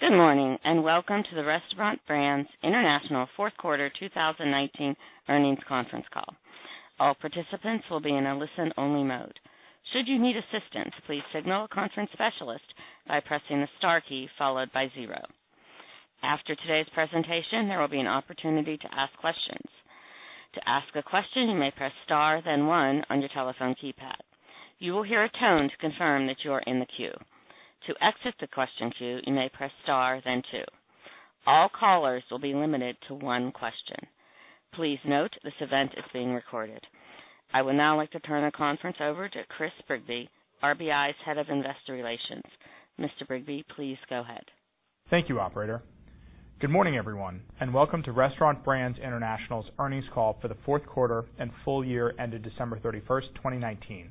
Good morning, and welcome to the Restaurant Brands International fourth quarter 2019 earnings conference call. All participants will be in a listen-only mode. Should you need assistance, please signal a conference specialist by pressing the star key followed by zero. After today's presentation, there will be an opportunity to ask questions. To ask a question, you may press star then one on your telephone keypad. You will hear a tone to confirm that you are in the queue. To exit the question queue, you may press star then two. All callers will be limited to one question. Please note this event is being recorded. I would now like to turn the conference over to Chris Brigleb, RBI's Head of Investor Relations. Mr. Brigleb, please go ahead. Thank you, operator. Good morning, everyone. Welcome to Restaurant Brands International's earnings call for the fourth quarter and full year ended December 31st, 2019.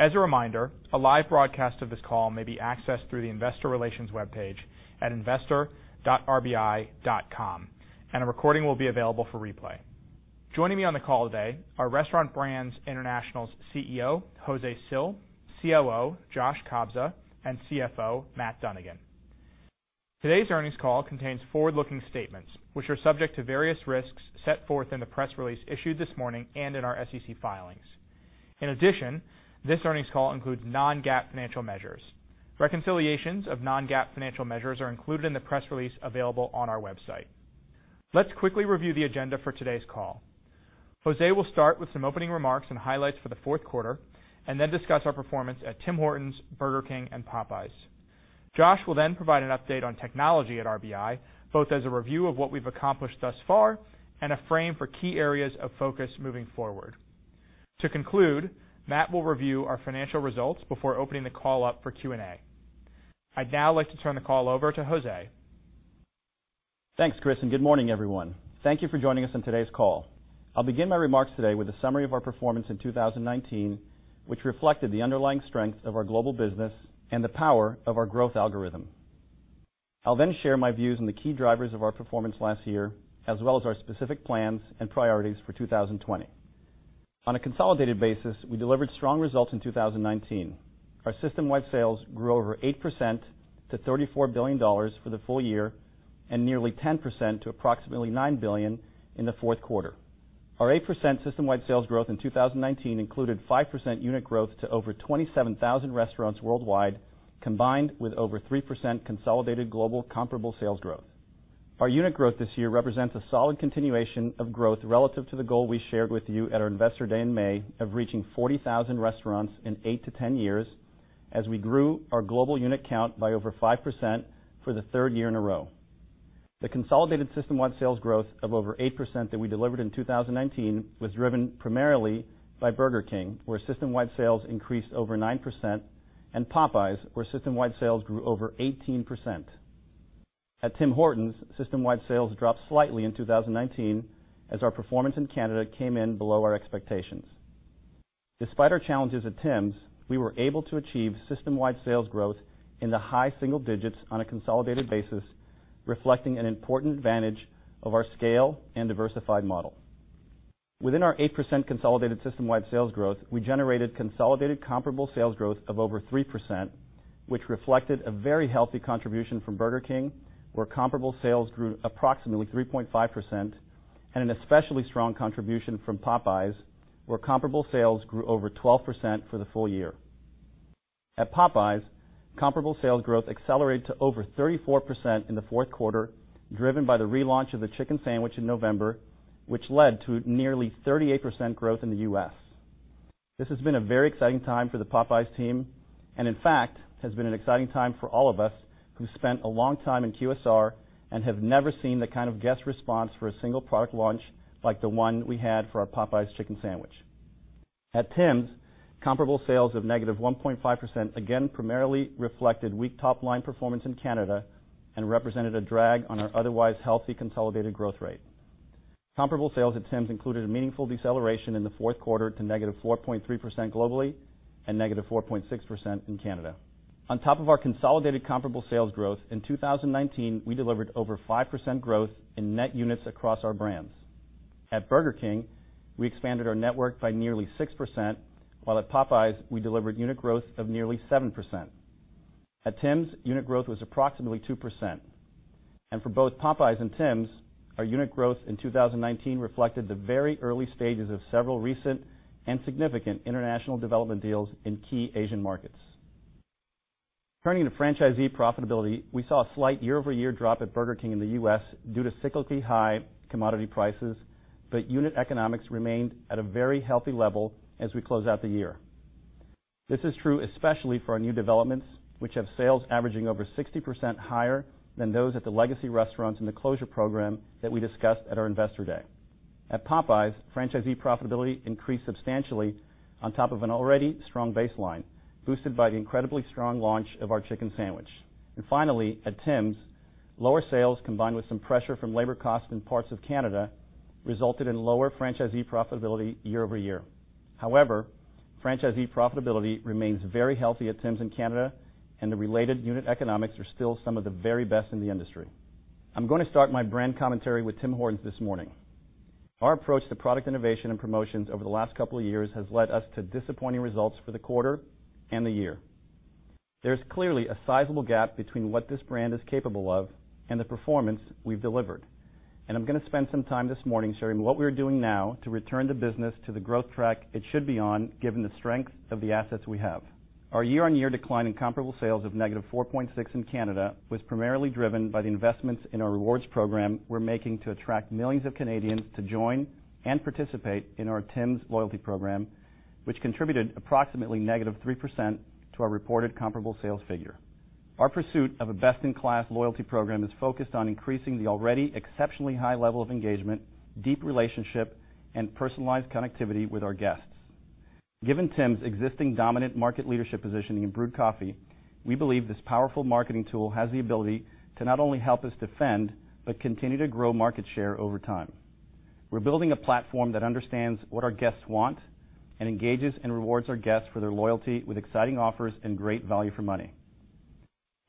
As a reminder, a live broadcast of this call may be accessed through the investor relations webpage at investor.rbi.com. A recording will be available for replay. Joining me on the call today are Restaurant Brands International's CEO, Jose Cil, COO, Josh Kobza, and CFO, Matt Dunnigan. Today's earnings call contains forward-looking statements, which are subject to various risks set forth in the press release issued this morning and in our SEC filings. In addition, this earnings call includes non-GAAP financial measures. Reconciliations of non-GAAP financial measures are included in the press release available on our website. Let's quickly review the agenda for today's call. Jose will start with some opening remarks and highlights for the fourth quarter, and then discuss our performance at Tim Hortons, Burger King, and Popeyes. Josh will then provide an update on technology at RBI, both as a review of what we've accomplished thus far and a frame for key areas of focus moving forward. To conclude, Matt will review our financial results before opening the call up for Q&A. I'd now like to turn the call over to Jose. Thanks, Chris. Good morning, everyone. Thank you for joining us on today's call. I'll begin my remarks today with a summary of our performance in 2019, which reflected the underlying strength of our global business and the power of our growth algorithm. I'll then share my views on the key drivers of our performance last year, as well as our specific plans and priorities for 2020. On a consolidated basis, we delivered strong results in 2019. Our system-wide sales grew over 8% to 34 billion dollars for the full year and nearly 10% to approximately 9 billion in the fourth quarter. Our 8% system-wide sales growth in 2019 included 5% unit growth to over 27,000 restaurants worldwide, combined with over 3% consolidated global comparable sales growth. Our unit growth this year represents a solid continuation of growth relative to the goal we shared with you at our Investor Day in May of reaching 40,000 restaurants in 8-10 years, as we grew our global unit count by over 5% for the third year in a row. The consolidated system-wide sales growth of over 8% that we delivered in 2019 was driven primarily by Burger King, where system-wide sales increased over 9%, and Popeyes, where system-wide sales grew over 18%. At Tim Hortons, system-wide sales dropped slightly in 2019 as our performance in Canada came in below our expectations. Despite our challenges at Tims, we were able to achieve system-wide sales growth in the high single digits on a consolidated basis, reflecting an important advantage of our scale and diversified model. Within our 8% consolidated system-wide sales growth, we generated consolidated comparable sales growth of over 3%, which reflected a very healthy contribution from Burger King, where comparable sales grew approximately 3.5%, and an especially strong contribution from Popeyes, where comparable sales grew over 12% for the full year. At Popeyes, comparable sales growth accelerated to over 34% in the fourth quarter, driven by the relaunch of the chicken sandwich in November, which led to nearly 38% growth in the U.S. This has been a very exciting time for the Popeyes team, and in fact, has been an exciting time for all of us who've spent a long time in QSR and have never seen the kind of guest response for a single product launch like the one we had for our Popeyes chicken sandwich. At Tims, comparable sales of -1.5% again primarily reflected weak top-line performance in Canada and represented a drag on our otherwise healthy consolidated growth rate. Comparable sales at Tims included a meaningful deceleration in the fourth quarter to -4.3% globally and -4.6% in Canada. On top of our consolidated comparable sales growth, in 2019, we delivered over 5% growth in net units across our brands. At Burger King, we expanded our network by nearly 6%, while at Popeyes, we delivered unit growth of nearly 7%. At Tims, unit growth was approximately 2%. For both Popeyes and Tims, our unit growth in 2019 reflected the very early stages of several recent and significant international development deals in key Asian markets. Turning to franchisee profitability, we saw a slight year-over-year drop at Burger King in the U.S. due to cyclically high commodity prices. Unit economics remained at a very healthy level as we close out the year. This is true especially for our new developments, which have sales averaging over 60% higher than those at the legacy restaurants in the closure program that we discussed at our Investor Day. At Popeyes, franchisee profitability increased substantially on top of an already strong baseline, boosted by the incredibly strong launch of our chicken sandwich. Finally, at Tims, lower sales combined with some pressure from labor costs in parts of Canada resulted in lower franchisee profitability year-over-year. However, franchisee profitability remains very healthy at Tims in Canada. The related unit economics are still some of the very best in the industry. I'm going to start my brand commentary with Tim Hortons this morning. Our approach to product innovation and promotions over the last couple of years has led us to disappointing results for the quarter and the year. There's clearly a sizable gap between what this brand is capable of and the performance we've delivered. I'm going to spend some time this morning sharing what we're doing now to return the business to the growth track it should be on given the strength of the assets we have. Our year-on-year decline in comparable sales of -4.6% in Canada was primarily driven by the investments in our rewards program we're making to attract millions of Canadians to join and participate in our Tims loyalty program, which contributed approximately -3% to our reported comparable sales figure. Our pursuit of a best-in-class loyalty program is focused on increasing the already exceptionally high level of engagement, deep relationship, and personalized connectivity with our guests. Given Tims' existing dominant market leadership positioning in brewed coffee, we believe this powerful marketing tool has the ability to not only help us defend but continue to grow market share over time. We're building a platform that understands what our guests want and engages and rewards our guests for their loyalty with exciting offers and great value for money.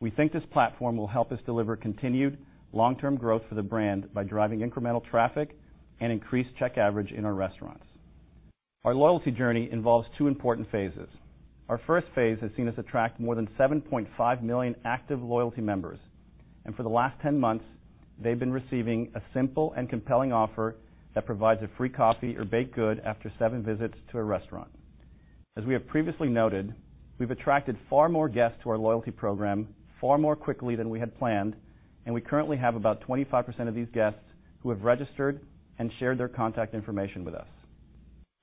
We think this platform will help us deliver continued long-term growth for the brand by driving incremental traffic and increased check average in our restaurants. Our loyalty journey involves two important phases. Our first phase has seen us attract more than 7.5 million active loyalty members, and for the last 10 months, they've been receiving a simple and compelling offer that provides a free coffee or baked good after seven visits to a restaurant. As we have previously noted, we've attracted far more guests to our loyalty program far more quickly than we had planned, and we currently have about 25% of these guests who have registered and shared their contact information with us.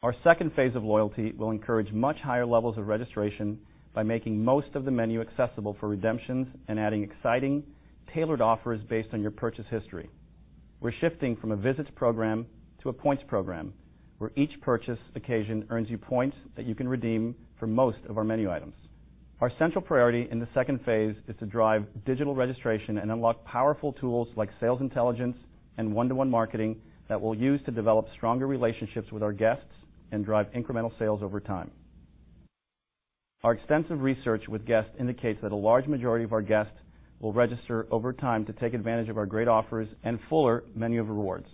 Our second phase of loyalty will encourage much higher levels of registration by making most of the menu accessible for redemptions and adding exciting, tailored offers based on your purchase history. We're shifting from a visits program to a points program where each purchase occasion earns you points that you can redeem for most of our menu items. Our central priority in the second phase is to drive digital registration and unlock powerful tools like sales intelligence and one-to-one marketing that we'll use to develop stronger relationships with our guests and drive incremental sales over time. Our extensive research with guests indicates that a large majority of our guests will register over time to take advantage of our great offers and fuller menu of rewards.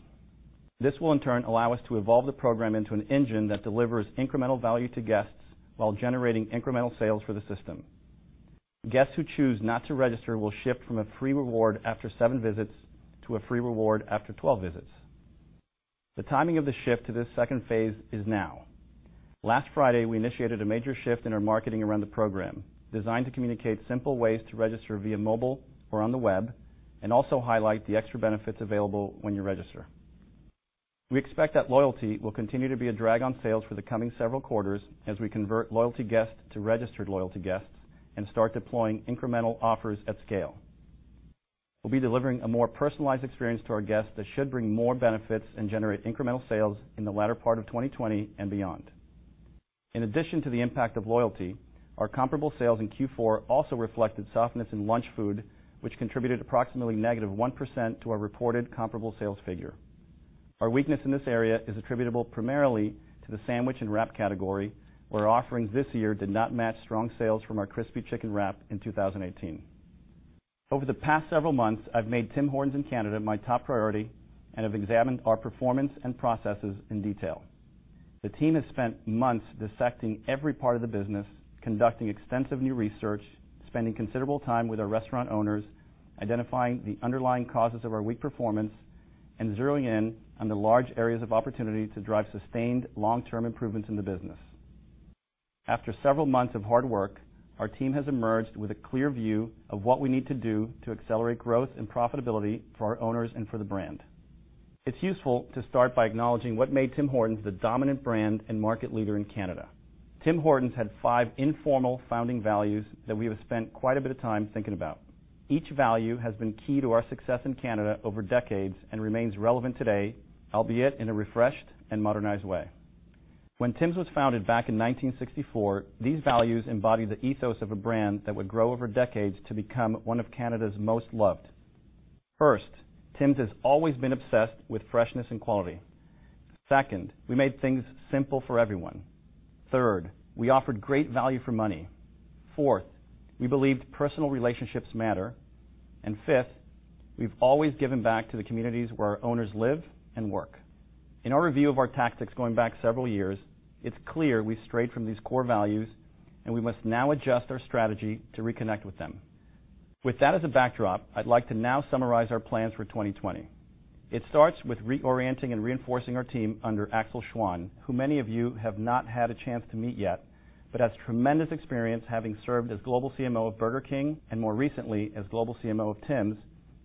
This will, in turn, allow us to evolve the program into an engine that delivers incremental value to guests while generating incremental sales for the system. Guests who choose not to register will shift from a free reward after seven visits to a free reward after 12 visits. The timing of the shift to this second phase is now. Last Friday, we initiated a major shift in our marketing around the program designed to communicate simple ways to register via mobile or on the web and also highlight the extra benefits available when you register. We expect that loyalty will continue to be a drag on sales for the coming several quarters as we convert loyalty guests to registered loyalty guests and start deploying incremental offers at scale. We'll be delivering a more personalized experience to our guests that should bring more benefits and generate incremental sales in the latter part of 2020 and beyond. In addition to the impact of loyalty, our comparable sales in Q4 also reflected softness in lunch food, which contributed approximately -1% to our reported comparable sales figure. Our weakness in this area is attributable primarily to the sandwich and wrap category, where offerings this year did not match strong sales from our Crispy Chicken Wrap in 2018. Over the past several months, I've made Tim Hortons in Canada my top priority and have examined our performance and processes in detail. The team has spent months dissecting every part of the business, conducting extensive new research, spending considerable time with our restaurant owners, identifying the underlying causes of our weak performance, and zeroing in on the large areas of opportunity to drive sustained long-term improvements in the business. After several months of hard work, our team has emerged with a clear view of what we need to do to accelerate growth and profitability for our owners and for the brand. It's useful to start by acknowledging what made Tim Hortons the dominant brand and market leader in Canada. Tim Hortons had five informal founding values that we have spent quite a bit of time thinking about. Each value has been key to our success in Canada over decades and remains relevant today, albeit in a refreshed and modernized way. When Tim's was founded back in 1964, these values embodied the ethos of a brand that would grow over decades to become one of Canada's most loved. First, Tim's has always been obsessed with freshness and quality. Second, we made things simple for everyone. Third, we offered great value for money. Fourth, we believed personal relationships matter. Fifth, we've always given back to the communities where our owners live and work. In our review of our tactics going back several years, it's clear we strayed from these core values, and we must now adjust our strategy to reconnect with them. With that as a backdrop, I'd like to now summarize our plans for 2020. It starts with reorienting and reinforcing our team under Axel Schwan, who many of you have not had a chance to meet yet but has tremendous experience having served as Global CMO of Burger King and, more recently, as Global CMO of Tim's,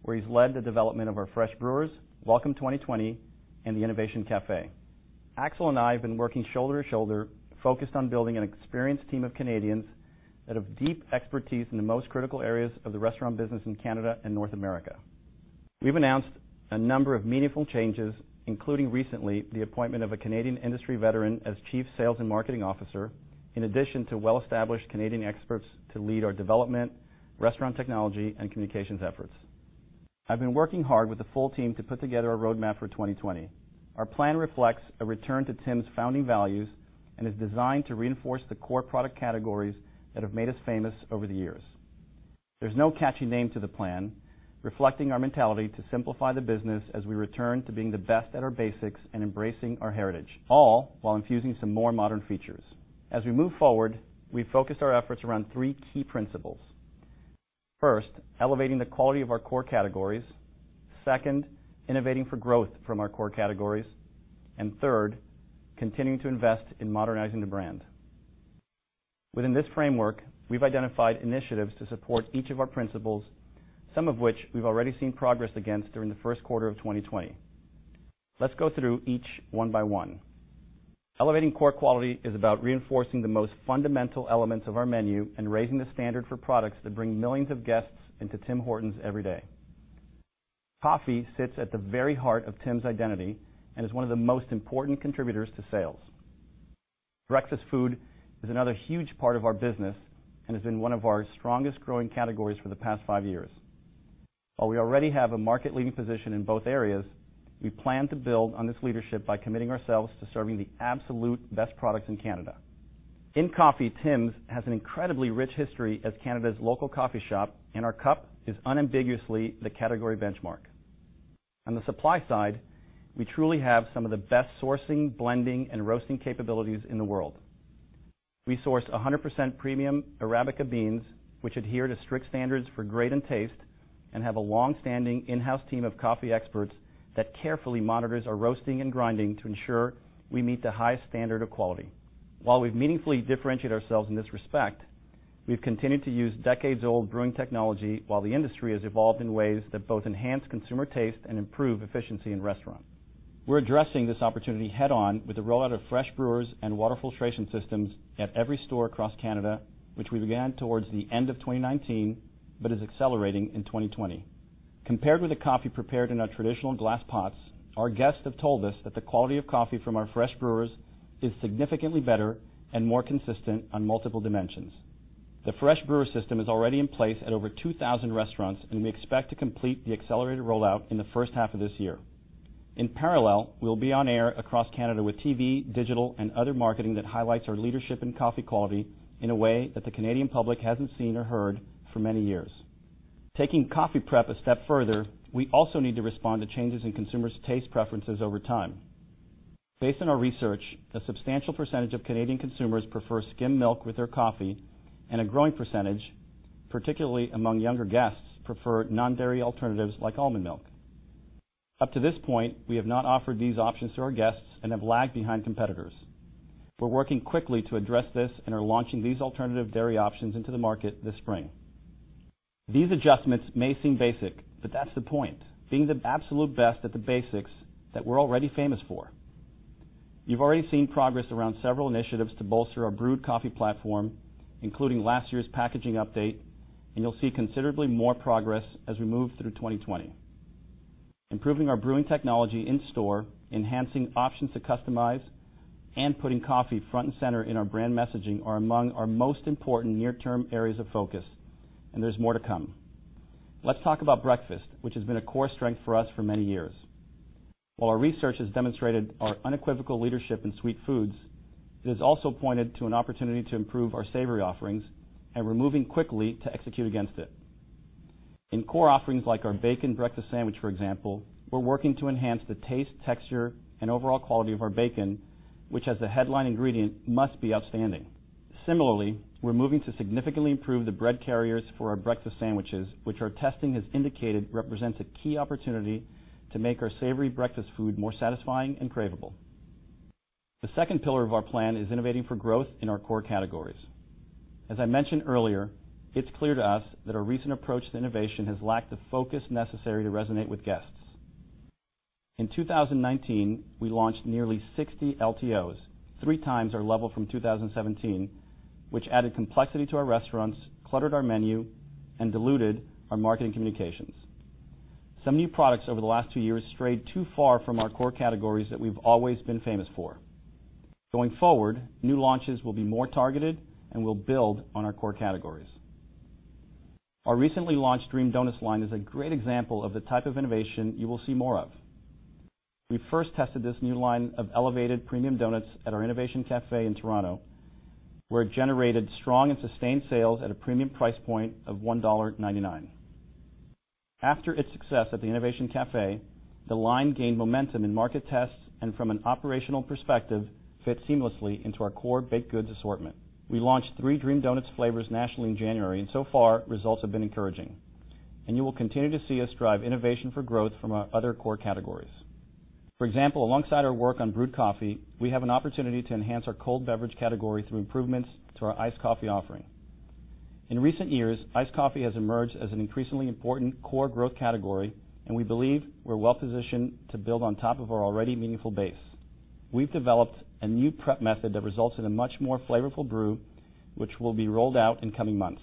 where he's led the development of our Fresh Brewers, Welcome 2020, and the Innovation Café. Axel and I have been working shoulder to shoulder, focused on building an experienced team of Canadians that have deep expertise in the most critical areas of the restaurant business in Canada and North America. We've announced a number of meaningful changes, including recently the appointment of a Canadian industry veteran as chief sales and marketing officer, in addition to well-established Canadian experts to lead our development, restaurant technology, and communications efforts. I've been working hard with the full team to put together a roadmap for 2020. Our plan reflects a return to Tim's founding values and is designed to reinforce the core product categories that have made us famous over the years. There's no catchy name to the plan, reflecting our mentality to simplify the business as we return to being the best at our basics and embracing our heritage, all while infusing some more modern features. As we move forward, we've focused our efforts around three key principles. First, elevating the quality of our core categories. Second, innovating for growth from our core categories. Third, continuing to invest in modernizing the brand. Within this framework, we've identified initiatives to support each of our principles, some of which we've already seen progress against during the first quarter of 2020. Let's go through each one by one. Elevating core quality is about reinforcing the most fundamental elements of our menu and raising the standard for products that bring millions of guests into Tim Hortons every day. Coffee sits at the very heart of Tim's identity and is one of the most important contributors to sales. Breakfast food is another huge part of our business and has been one of our strongest growing categories for the past five years. While we already have a market-leading position in both areas, we plan to build on this leadership by committing ourselves to serving the absolute best products in Canada. In coffee, Tim's has an incredibly rich history as Canada's local coffee shop, and our cup is unambiguously the category benchmark. On the supply side, we truly have some of the best sourcing, blending, and roasting capabilities in the world. We source 100% premium Arabica beans, which adhere to strict standards for grade and taste, and have a longstanding in-house team of coffee experts that carefully monitors our roasting and grinding to ensure we meet the highest standard of quality. While we've meaningfully differentiated ourselves in this respect, we've continued to use decades-old brewing technology while the industry has evolved in ways that both enhance consumer taste and improve efficiency in restaurants. We're addressing this opportunity head-on with the rollout of fresh brewers and water filtration systems at every store across Canada, which we began towards the end of 2019 but is accelerating in 2020. Compared with the coffee prepared in our traditional glass pots, our guests have told us that the quality of coffee from our fresh brewers is significantly better and more consistent on multiple dimensions. The Fresh Brewer system is already in place at over 2,000 restaurants, and we expect to complete the accelerated rollout in the first half of this year. In parallel, we'll be on air across Canada with TV, digital, and other marketing that highlights our leadership in coffee quality in a way that the Canadian public hasn't seen or heard for many years. Taking coffee prep a step further, we also need to respond to changes in consumers' taste preferences over time. Based on our research, a substantial percentage of Canadian consumers prefer skim milk with their coffee, and a growing percentage, particularly among younger guests, prefer non-dairy alternatives like almond milk. Up to this point, we have not offered these options to our guests and have lagged behind competitors. We're working quickly to address this and are launching these alternative dairy options into the market this spring. These adjustments may seem basic, but that's the point, being the absolute best at the basics that we're already famous for. You've already seen progress around several initiatives to bolster our brewed coffee platform, including last year's packaging update. You'll see considerably more progress as we move through 2020. Improving our brewing technology in store, enhancing options to customize, and putting coffee front and center in our brand messaging are among our most important near-term areas of focus. There's more to come. Let's talk about breakfast, which has been a core strength for us for many years. While our research has demonstrated our unequivocal leadership in sweet foods, it has also pointed to an opportunity to improve our savory offerings. We're moving quickly to execute against it. In core offerings like our bacon breakfast sandwich, for example, we're working to enhance the taste, texture, and overall quality of our bacon, which as the headline ingredient must be outstanding. Similarly, we're moving to significantly improve the bread carriers for our breakfast sandwiches, which our testing has indicated represents a key opportunity to make our savory breakfast food more satisfying and craveable. The second pillar of our plan is innovating for growth in our core categories. As I mentioned earlier, it's clear to us that our recent approach to innovation has lacked the focus necessary to resonate with guests. In 2019, we launched nearly 60 LTOs, 3x our level from 2017, which added complexity to our restaurants, cluttered our menu, and diluted our marketing communications. Some new products over the last two years strayed too far from our core categories that we've always been famous for. Going forward, new launches will be more targeted and will build on our core categories. Our recently launched Dream Donuts line is a great example of the type of innovation you will see more of. We first tested this new line of elevated premium donuts at our Innovation Cafe in Toronto, where it generated strong and sustained sales at a premium price point of 1.99 dollar. After its success at the Innovation Cafe, the line gained momentum in market tests, and from an operational perspective, fit seamlessly into our core baked goods assortment. We launched three Dream Donuts flavors nationally in January, and so far, results have been encouraging. You will continue to see us drive innovation for growth from our other core categories. For example, alongside our work on brewed coffee, we have an opportunity to enhance our cold beverage category through improvements to our iced coffee offering. In recent years, iced coffee has emerged as an increasingly important core growth category, and we believe we're well-positioned to build on top of our already meaningful base. We've developed a new prep method that results in a much more flavorful brew, which will be rolled out in coming months.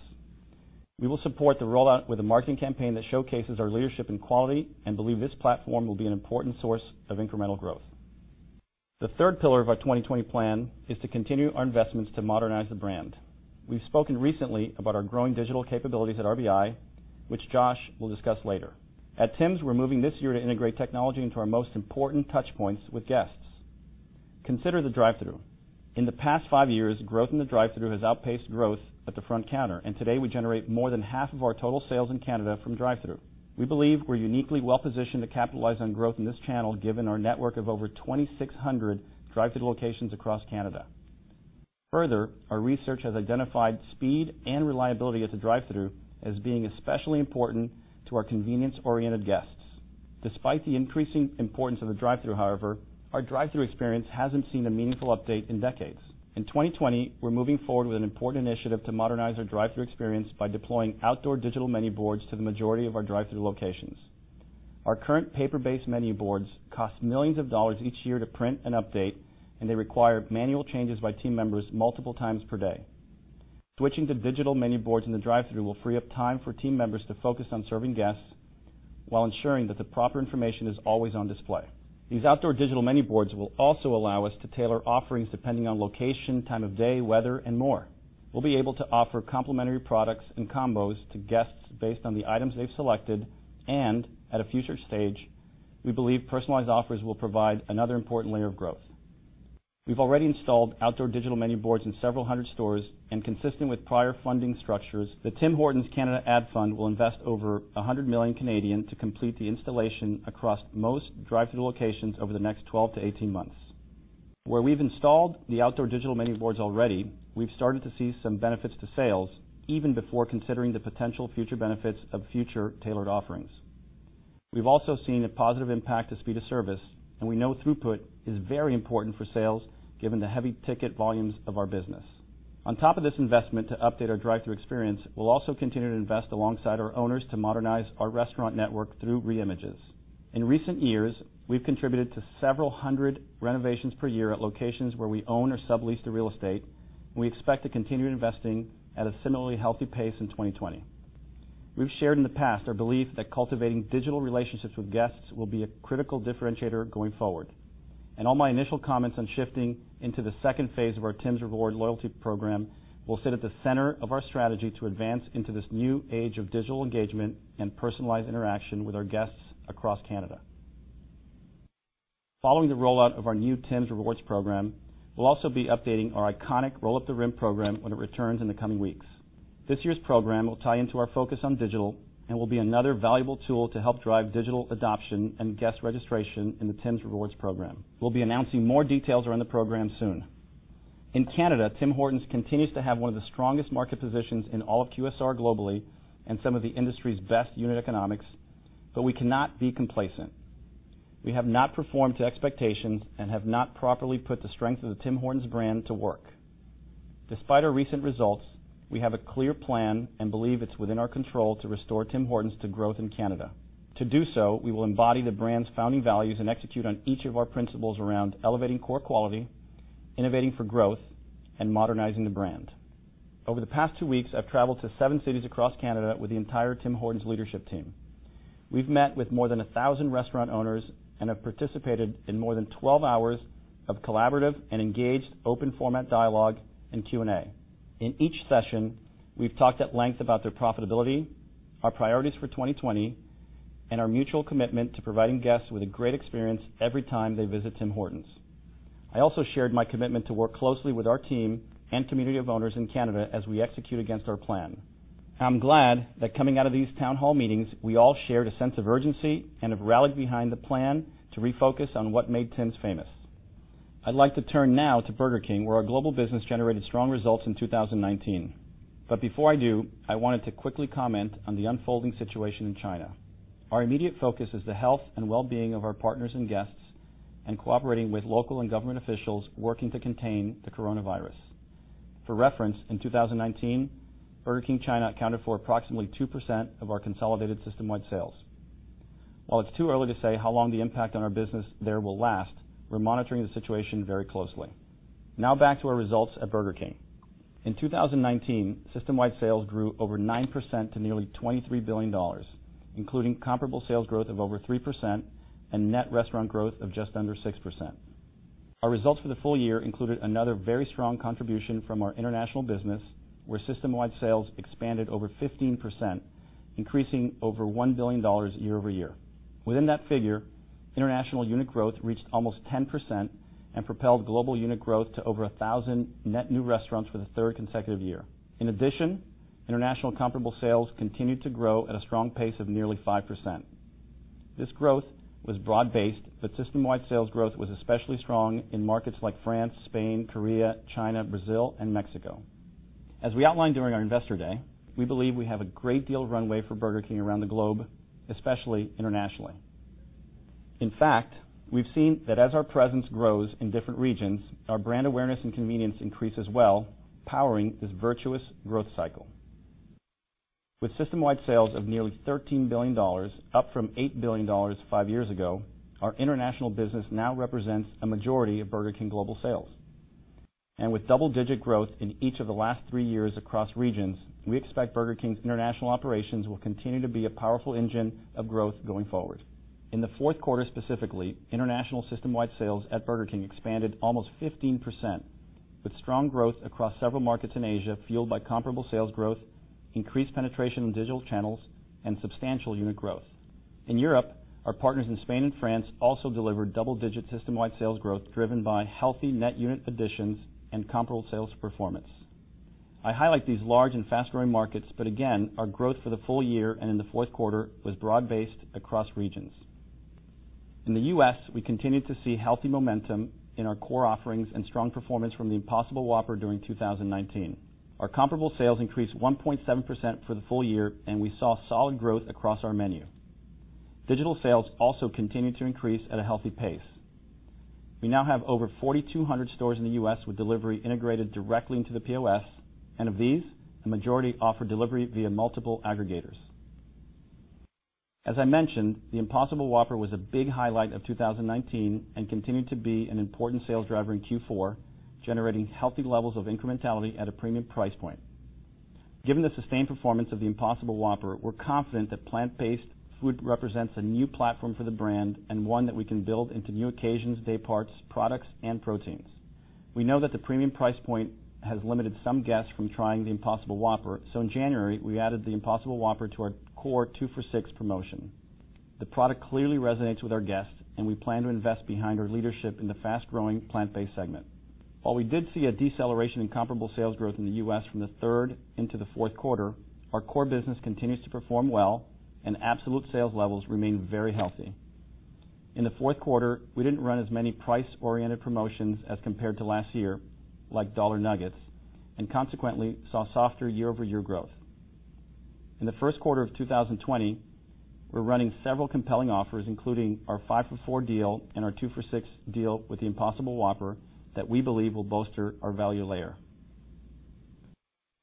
We will support the rollout with a marketing campaign that showcases our leadership in quality and believe this platform will be an important source of incremental growth. The third pillar of our 2020 plan is to continue our investments to modernize the brand. We've spoken recently about our growing digital capabilities at RBI, which Josh will discuss later. At Tims, we're moving this year to integrate technology into our most important touchpoints with guests. Consider the drive-thru. In the past five years, growth in the drive-thru has outpaced growth at the front counter. Today, we generate more than half of our total sales in Canada from drive-thru. We believe we're uniquely well-positioned to capitalize on growth in this channel, given our network of over 2,600 drive-thru locations across Canada. Our research has identified speed and reliability at the drive-thru as being especially important to our convenience-oriented guests. Despite the increasing importance of the drive-thru, however, our drive-thru experience hasn't seen a meaningful update in decades. In 2020, we're moving forward with an important initiative to modernize our drive-thru experience by deploying outdoor digital menu boards to the majority of our drive-thru locations. Our current paper-based menu boards cost millions of CAD each year to print and update. They require manual changes by team members multiple times per day. Switching to digital menu boards in the drive-thru will free up time for team members to focus on serving guests while ensuring that the proper information is always on display. These outdoor digital menu boards will also allow us to tailor offerings depending on location, time of day, weather, and more. We'll be able to offer complimentary products and combos to guests based on the items they've selected, and at a future stage, we believe personalized offers will provide another important layer of growth. We've already installed outdoor digital menu boards in several hundred stores, and consistent with prior funding structures, the Tim Hortons Canada Ad Fund will invest over 100 million to complete the installation across most drive-thru locations over the next 12-18 months. Where we've installed the outdoor digital menu boards already, we've started to see some benefits to sales even before considering the potential future benefits of future tailored offerings. We've also seen a positive impact to speed of service, and we know throughput is very important for sales given the heavy ticket volumes of our business. On top of this investment to update our drive-thru experience, we'll also continue to invest alongside our owners to modernize our restaurant network through re-images. In recent years, we've contributed to several hundred renovations per year at locations where we own or sublease the real estate, and we expect to continue investing at a similarly healthy pace in 2020. We've shared in the past our belief that cultivating digital relationships with guests will be a critical differentiator going forward. In all my initial comments on shifting into the second phase of our Tims Rewards loyalty program will sit at the center of our strategy to advance into this new age of digital engagement and personalized interaction with our guests across Canada. Following the rollout of our new Tims Rewards program, we'll also be updating our iconic Roll Up the Rim program when it returns in the coming weeks. This year's program will tie into our focus on digital and will be another valuable tool to help drive digital adoption and guest registration in the Tims Rewards program. We'll be announcing more details around the program soon. In Canada, Tim Hortons continues to have one of the strongest market positions in all of QSR globally and some of the industry's best unit economics. We cannot be complacent. We have not performed to expectations and have not properly put the strength of the Tim Hortons brand to work. Despite our recent results, we have a clear plan and believe it's within our control to restore Tim Hortons to growth in Canada. To do so, we will embody the brand's founding values and execute on each of our principles around elevating core quality, innovating for growth, and modernizing the brand. Over the past two weeks, I've traveled to seven cities across Canada with the entire Tim Hortons leadership team. We've met with more than 1,000 restaurant owners and have participated in more than 12 hours of collaborative and engaged open format dialogue and Q&A. In each session, we've talked at length about their profitability, our priorities for 2020, and our mutual commitment to providing guests with a great experience every time they visit Tim Hortons. I also shared my commitment to work closely with our team and community of owners in Canada as we execute against our plan. I'm glad that coming out of these town hall meetings, we all shared a sense of urgency and have rallied behind the plan to refocus on what made Tims famous. I'd like to turn now to Burger King, where our global business generated strong results in 2019. Before I do, I wanted to quickly comment on the unfolding situation in China. Our immediate focus is the health and well-being of our partners and guests and cooperating with local and government officials working to contain the coronavirus. For reference, in 2019, Burger King China accounted for approximately 2% of our consolidated systemwide sales. While it's too early to say how long the impact on our business there will last, we're monitoring the situation very closely. Back to our results at Burger King. In 2019, systemwide sales grew over 9% to nearly $23 billion, including comparable sales growth of over 3% and net restaurant growth of just under 6%. Our results for the full year included another very strong contribution from our international business, where systemwide sales expanded over 15%, increasing over $1 billion year-over-year. Within that figure, international unit growth reached almost 10% and propelled global unit growth to over 1,000 net new restaurants for the third consecutive year. International comparable sales continued to grow at a strong pace of nearly 5%. This growth was broad-based, systemwide sales growth was especially strong in markets like France, Spain, Korea, China, Brazil, and Mexico. As we outlined during our Investor Day, we believe we have a great deal of runway for Burger King around the globe, especially internationally. In fact, we've seen that as our presence grows in different regions, our brand awareness and convenience increase as well, powering this virtuous growth cycle. With systemwide sales of nearly $13 billion, up from $8 billion five years ago, our international business now represents a majority of Burger King global sales. With double-digit growth in each of the last three years across regions, we expect Burger King's international operations will continue to be a powerful engine of growth going forward. In the fourth quarter specifically, international systemwide sales at Burger King expanded almost 15%, with strong growth across several markets in Asia, fueled by comparable sales growth, increased penetration in digital channels, and substantial unit growth. In Europe, our partners in Spain and France also delivered double-digit systemwide sales growth driven by healthy net unit additions and comparable sales performance. I highlight these large and fast-growing markets. Again, our growth for the full year and in the fourth quarter was broad-based across regions. In the U.S., we continued to see healthy momentum in our core offerings and strong performance from the Impossible Whopper during 2019. Our comparable sales increased 1.7% for the full year. We saw solid growth across our menu. Digital sales also continued to increase at a healthy pace. We now have over 4,200 stores in the U.S. with delivery integrated directly into the POS. Of these, the majority offer delivery via multiple aggregators. As I mentioned, the Impossible Whopper was a big highlight of 2019 and continued to be an important sales driver in Q4, generating healthy levels of incrementality at a premium price point. Given the sustained performance of the Impossible Whopper, we're confident that plant-based food represents a new platform for the brand and one that we can build into new occasions, day parts, products and proteins. We know that the premium price point has limited some guests from trying the Impossible Whopper, so in January, we added the Impossible Whopper to our core two for $6 promotion. The product clearly resonates with our guests, and we plan to invest behind our leadership in the fast-growing plant-based segment. While we did see a deceleration in comparable sales growth in the U.S. from the third into the fourth quarter, our core business continues to perform well and absolute sales levels remain very healthy. In the fourth quarter, we didn't run as many price-oriented promotions as compared to last year, like Dollar Nuggets, and consequently, saw softer year-over-year growth. In the first quarter of 2020, we're running several compelling offers, including our five for $4 deal and our two for $6 deal with the Impossible Whopper that we believe will bolster our value layer.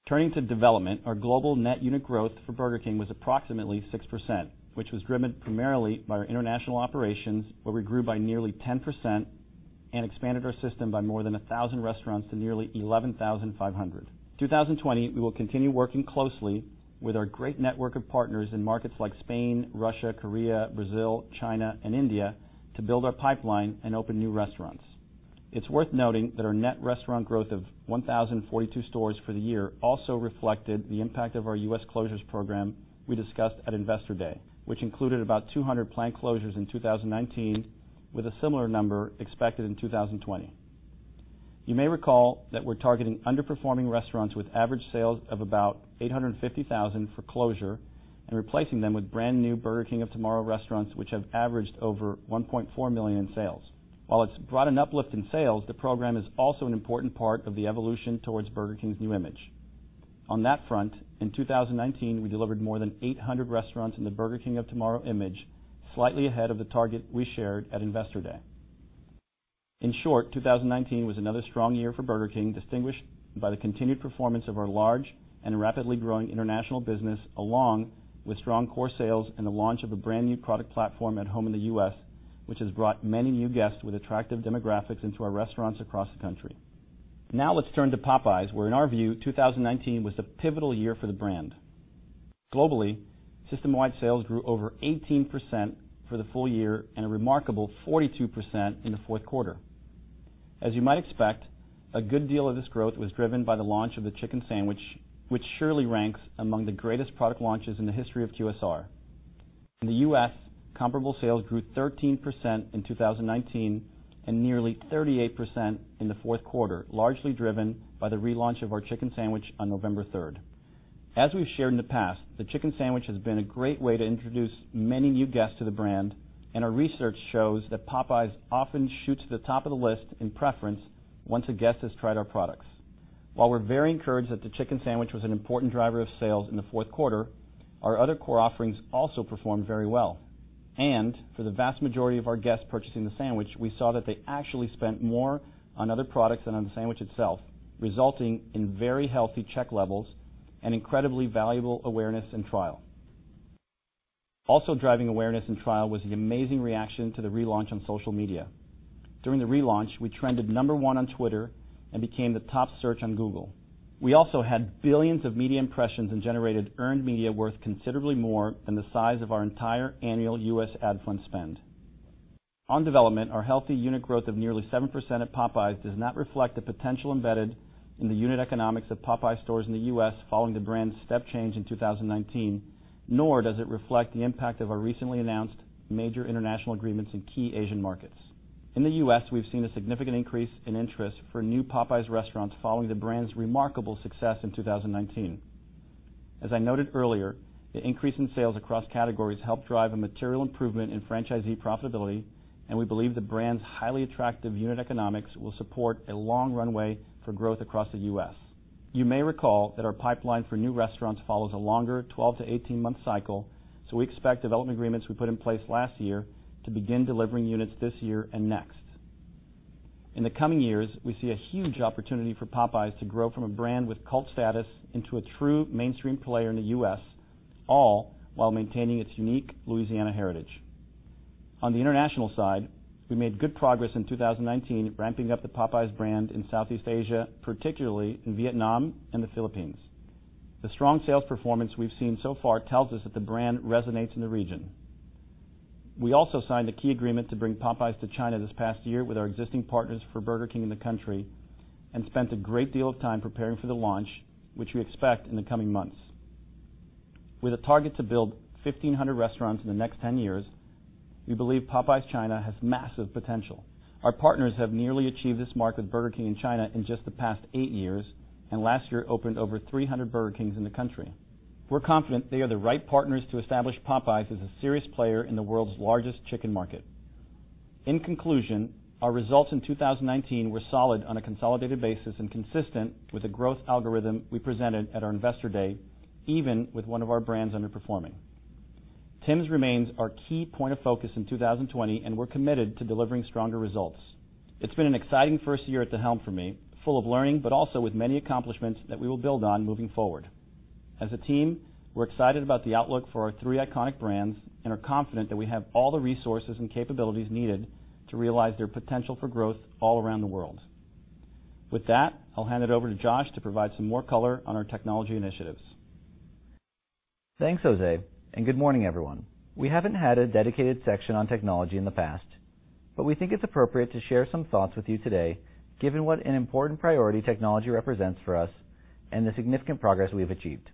Turning to development, our global net unit growth for Burger King was approximately 6%, which was driven primarily by our international operations, where we grew by nearly 10% and expanded our system by more than 1,000 restaurants to nearly 11,500. 2020, we will continue working closely with our great network of partners in markets like Spain, Russia, Korea, Brazil, China, and India to build our pipeline and open new restaurants. It's worth noting that our net restaurant growth of 1,042 stores for the year also reflected the impact of our U.S. closures program we discussed at Investor Day, which included about 200 planned closures in 2019 with a similar number expected in 2020. You may recall that we're targeting underperforming restaurants with average sales of about $850,000 for closure and replacing them with brand-new Burger King of Tomorrow restaurants, which have averaged over $1.4 million in sales. While it's brought an uplift in sales, the program is also an important part of the evolution towards Burger King's new image. On that front, in 2019, we delivered more than 800 restaurants in the Burger King of Tomorrow image, slightly ahead of the target we shared at Investor Day. In short, 2019 was another strong year for Burger King, distinguished by the continued performance of our large and rapidly growing international business, along with strong core sales and the launch of a brand-new product platform at home in the U.S., which has brought many new guests with attractive demographics into our restaurants across the country. Let's turn to Popeyes, where in our view, 2019 was a pivotal year for the brand. Globally, system-wide sales grew over 18% for the full year and a remarkable 42% in the fourth quarter. As you might expect, a good deal of this growth was driven by the launch of the chicken sandwich, which surely ranks among the greatest product launches in the history of QSR. In the U.S., comparable sales grew 13% in 2019 and nearly 38% in the fourth quarter, largely driven by the relaunch of our chicken sandwich on November third. As we've shared in the past, the chicken sandwich has been a great way to introduce many new guests to the brand, our research shows that Popeyes often shoots to the top of the list in preference once a guest has tried our products. While we're very encouraged that the chicken sandwich was an important driver of sales in the fourth quarter, our other core offerings also performed very well. For the vast majority of our guests purchasing the sandwich, we saw that they actually spent more on other products than on the sandwich itself, resulting in very healthy check levels and incredibly valuable awareness and trial. Also driving awareness and trial was the amazing reaction to the relaunch on social media. During the relaunch, we trended number one on Twitter and became the top search on Google. We also had billions of media impressions and generated earned media worth considerably more than the size of our entire annual U.S. ad spend. On development, our healthy unit growth of nearly 7% at Popeyes does not reflect the potential embedded in the unit economics of Popeyes stores in the U.S. following the brand's step change in 2019, nor does it reflect the impact of our recently announced major international agreements in key Asian markets. In the U.S., we've seen a significant increase in interest for new Popeyes restaurants following the brand's remarkable success in 2019. As I noted earlier, the increase in sales across categories helped drive a material improvement in franchisee profitability, and we believe the brand's highly attractive unit economics will support a long runway for growth across the U.S. You may recall that our pipeline for new restaurants follows a longer 12-18-month cycle, so we expect development agreements we put in place last year to begin delivering units this year and next. In the coming years, we see a huge opportunity for Popeyes to grow from a brand with cult status into a true mainstream player in the U.S., all while maintaining its unique Louisiana heritage. On the international side, we made good progress in 2019 ramping up the Popeyes brand in Southeast Asia, particularly in Vietnam and the Philippines. The strong sales performance we've seen so far tells us that the brand resonates in the region. We also signed a key agreement to bring Popeyes to China this past year with our existing partners for Burger King in the country and spent a great deal of time preparing for the launch, which we expect in the coming months. With a target to build 1,500 restaurants in the next 10 years, we believe Popeyes China has massive potential. Our partners have nearly achieved this mark with Burger King in China in just the past eight years and last year opened over 300 Burger Kings in the country. We're confident they are the right partners to establish Popeyes as a serious player in the world's largest chicken market. In conclusion, our results in 2019 were solid on a consolidated basis and consistent with the growth algorithm we presented at our Investor Day, even with one of our brands underperforming. Tim's remains our key point of focus in 2020, and we're committed to delivering stronger results. It's been an exciting first year at the helm for me, full of learning, but also with many accomplishments that we will build on moving forward. As a team, we're excited about the outlook for our three iconic brands and are confident that we have all the resources and capabilities needed to realize their potential for growth all around the world. With that, I'll hand it over to Josh to provide some more color on our technology initiatives. Thanks, Jose. Good morning, everyone. We haven't had a dedicated section on technology in the past, but we think it's appropriate to share some thoughts with you today given what an important priority technology represents for us and the significant progress we have achieved.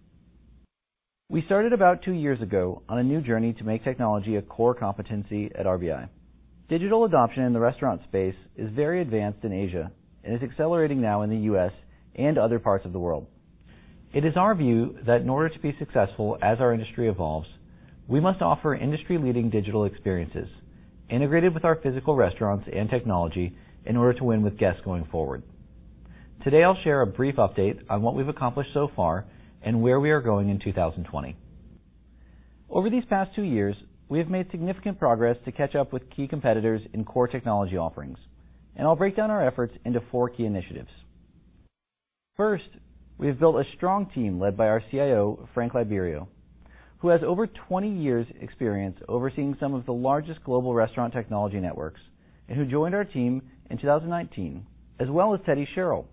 We started about two years ago on a new journey to make technology a core competency at RBI. Digital adoption in the restaurant space is very advanced in Asia and is accelerating now in the U.S. and other parts of the world. It is our view that in order to be successful as our industry evolves, we must offer industry-leading digital experiences integrated with our physical restaurants and technology in order to win with guests going forward. Today, I'll share a brief update on what we've accomplished so far and where we are going in 2020. Over these past two years, we have made significant progress to catch up with key competitors in core technology offerings. I'll break down our efforts into four key initiatives. First, we've built a strong team led by our CIO, Frank Liberio, who has over 20 years experience overseeing some of the largest global restaurant technology networks and who joined our team in 2019, as well as Teddy Sherrill,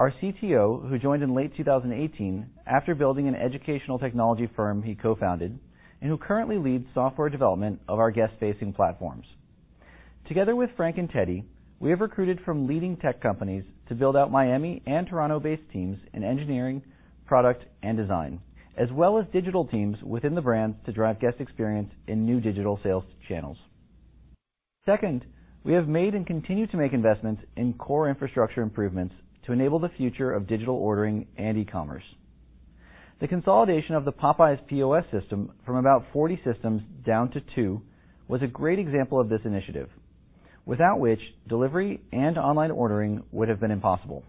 our CTO, who joined in late 2018 after building an educational technology firm he co-founded and who currently leads software development of our guest-facing platforms. Together with Frank and Teddy, we have recruited from leading tech companies to build out Miami and Toronto-based teams in engineering, product, and design, as well as digital teams within the brands to drive guest experience in new digital sales channels. We have made and continue to make investments in core infrastructure improvements to enable the future of digital ordering and e-commerce. The consolidation of the Popeyes POS system from about 40 systems down to two was a great example of this initiative, without which delivery and online ordering would have been impossible.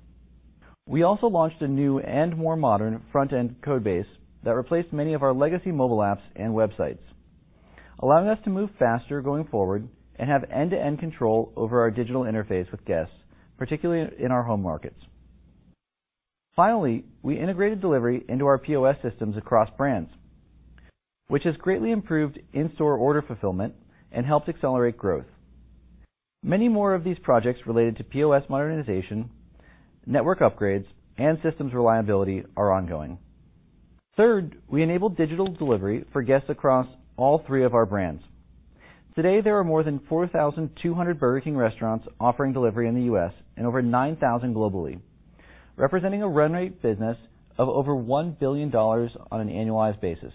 We also launched a new and more modern front-end code base that replaced many of our legacy mobile apps and websites, allowing us to move faster going forward and have end-to-end control over our digital interface with guests, particularly in our home markets. We integrated delivery into our POS systems across brands, which has greatly improved in-store order fulfillment and helped accelerate growth. Many more of these projects related to POS modernization, network upgrades, and systems reliability are ongoing. We enabled digital delivery for guests across all three of our brands. Today, there are more than 4,200 Burger King restaurants offering delivery in the U.S. and over 9,000 globally, representing a run rate business of over 1 billion dollars on an annualized basis.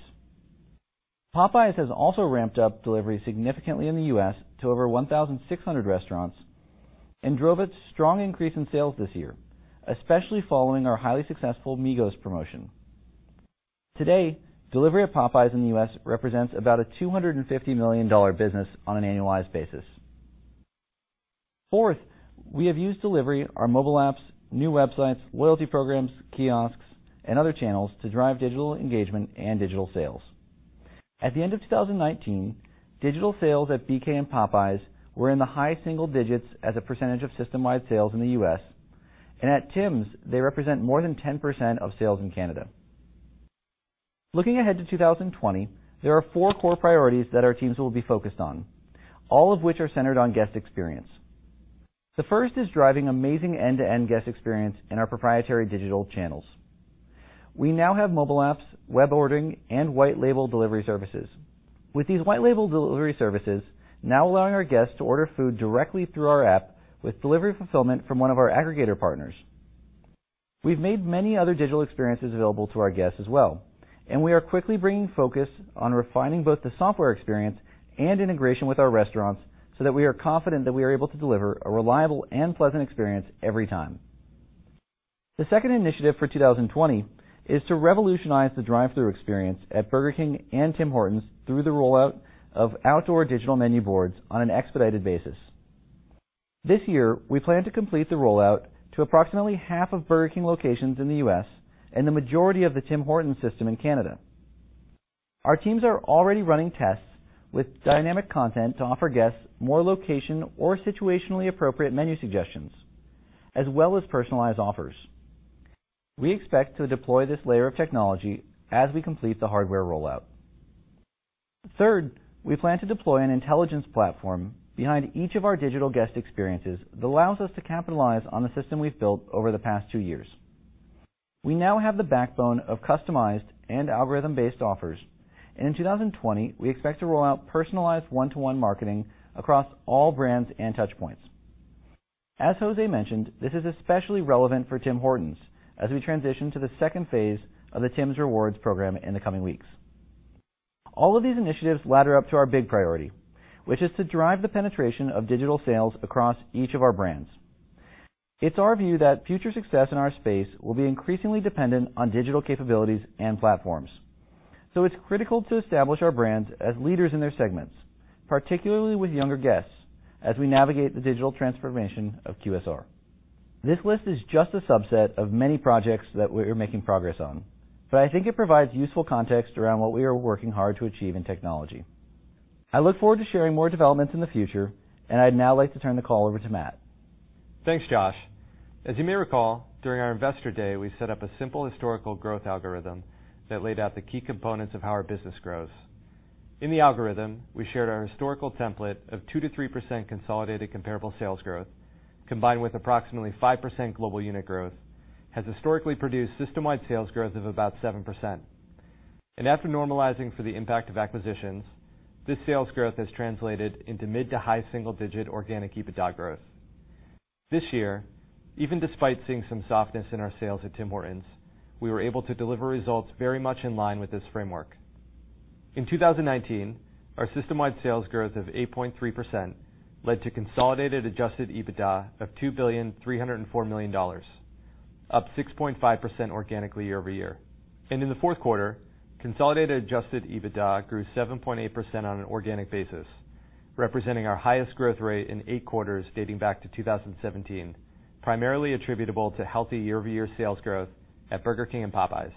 Popeyes has also ramped up delivery significantly in the U.S. to over 1,600 restaurants and drove its strong increase in sales this year, especially following our highly successful Migos promotion. Today, delivery of Popeyes in the U.S. represents about a 250 million dollar business on an annualized basis. Fourth, we have used delivery, our mobile apps, new websites, loyalty programs, kiosks, and other channels to drive digital engagement and digital sales. At the end of 2019, digital sales at BK and Popeyes were in the high single digits as a percentage of system-wide sales in the U.S., and at Tim's, they represent more than 10% of sales in Canada. Looking ahead to 2020, there are four core priorities that our teams will be focused on, all of which are centered on guest experience. The first is driving amazing end-to-end guest experience in our proprietary digital channels. We now have mobile apps, web ordering, and white label delivery services with these white label delivery services now allowing our guests to order food directly through our app with delivery fulfillment from one of our aggregator partners. We've made many other digital experiences available to our guests as well, and we are quickly bringing focus on refining both the software experience and integration with our restaurants so that we are confident that we are able to deliver a reliable and pleasant experience every time. The second initiative for 2020 is to revolutionize the drive-thru experience at Burger King and Tim Hortons through the rollout of outdoor digital menu boards on an expedited basis. This year, we plan to complete the rollout to approximately half of Burger King locations in the U.S. and the majority of the Tim Hortons system in Canada. Our teams are already running tests with dynamic content to offer guests more location or situationally appropriate menu suggestions, as well as personalized offers. We expect to deploy this layer of technology as we complete the hardware rollout. Third, we plan to deploy an intelligence platform behind each of our digital guest experiences that allows us to capitalize on the system we've built over the past two years. We now have the backbone of customized and algorithm-based offers. In 2020, we expect to roll out personalized one-to-one marketing across all brands and touchpoints. As Jose mentioned, this is especially relevant for Tim Hortons as we transition to the second phase of the Tims Rewards program in the coming weeks. All of these initiatives ladder up to our big priority, which is to drive the penetration of digital sales across each of our brands. It's our view that future success in our space will be increasingly dependent on digital capabilities and platforms. It's critical to establish our brands as leaders in their segments, particularly with younger guests, as we navigate the digital transformation of QSR. This list is just a subset of many projects that we're making progress on, but I think it provides useful context around what we are working hard to achieve in technology. I look forward to sharing more developments in the future, and I'd now like to turn the call over to Matt. Thanks, Josh. As you may recall, during our investor day, we set up a simple historical growth algorithm that laid out the key components of how our business grows. In the algorithm, we shared our historical template of 2%-3% consolidated comparable sales growth, combined with approximately 5% global unit growth, has historically produced system-wide sales growth of about 7%. After normalizing for the impact of acquisitions, this sales growth has translated into mid to high single-digit organic EBITDA growth. This year, even despite seeing some softness in our sales at Tim Hortons, we were able to deliver results very much in line with this framework. In 2019, our system-wide sales growth of 8.3% led to consolidated adjusted EBITDA of $2.304 billion, up 6.5% organically year-over-year. In the fourth quarter, consolidated adjusted EBITDA grew 7.8% on an organic basis, representing our highest growth rate in eight quarters dating back to 2017, primarily attributable to healthy year-over-year sales growth at Burger King and Popeyes.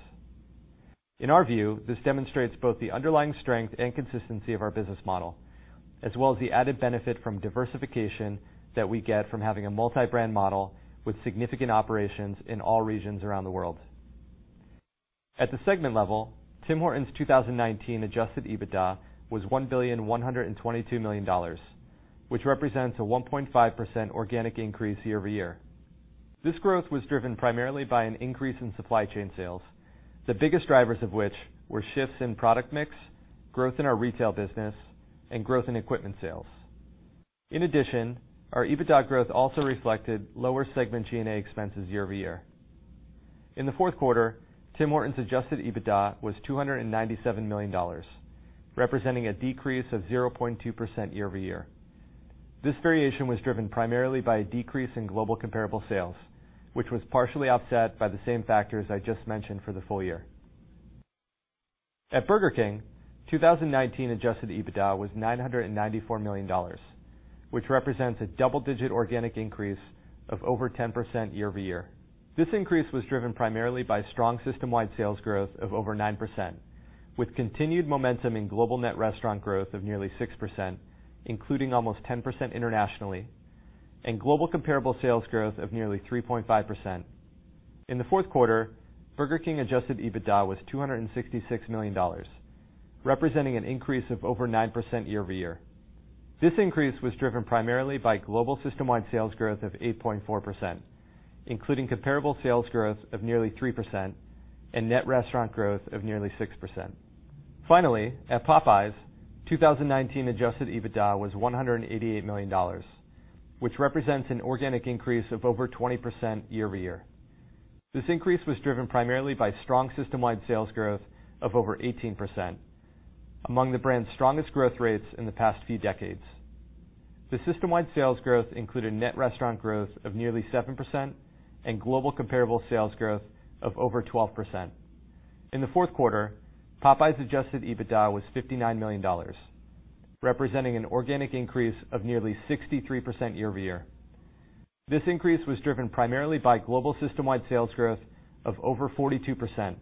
In our view, this demonstrates both the underlying strength and consistency of our business model, as well as the added benefit from diversification that we get from having a multi-brand model with significant operations in all regions around the world. At the segment level, Tim Hortons' 2019 adjusted EBITDA was 1.122 billion, which represents a 1.5% organic increase year-over-year. This growth was driven primarily by an increase in supply chain sales, the biggest drivers of which were shifts in product mix, growth in our retail business, and growth in equipment sales. In addition, our EBITDA growth also reflected lower segment G&A expenses year-over-year. In the fourth quarter, Tim Hortons' adjusted EBITDA was $297 million, representing a decrease of 0.2% year-over-year. This variation was driven primarily by a decrease in global comparable sales, which was partially offset by the same factors I just mentioned for the full year. At Burger King, 2019 adjusted EBITDA was $994 million, which represents a double-digit organic increase of over 10% year-over-year. This increase was driven primarily by strong system-wide sales growth of over 9%, with continued momentum in global net restaurant growth of nearly 6%, including almost 10% internationally, and global comparable sales growth of nearly 3.5%. In the fourth quarter, Burger King adjusted EBITDA was $266 million, representing an increase of over 9% year-over-year. This increase was driven primarily by global system-wide sales growth of 8.4%, including comparable sales growth of nearly 3% and net restaurant growth of nearly 6%. Finally, at Popeyes, 2019 adjusted EBITDA was $188 million, which represents an organic increase of over 20% year-over-year. This increase was driven primarily by strong system-wide sales growth of over 18%, among the brand's strongest growth rates in the past few decades. The system-wide sales growth included net restaurant growth of nearly 7% and global comparable sales growth of over 12%. In the fourth quarter, Popeyes' adjusted EBITDA was $59 million, representing an organic increase of nearly 63% year-over-year. This increase was driven primarily by global system-wide sales growth of over 42%,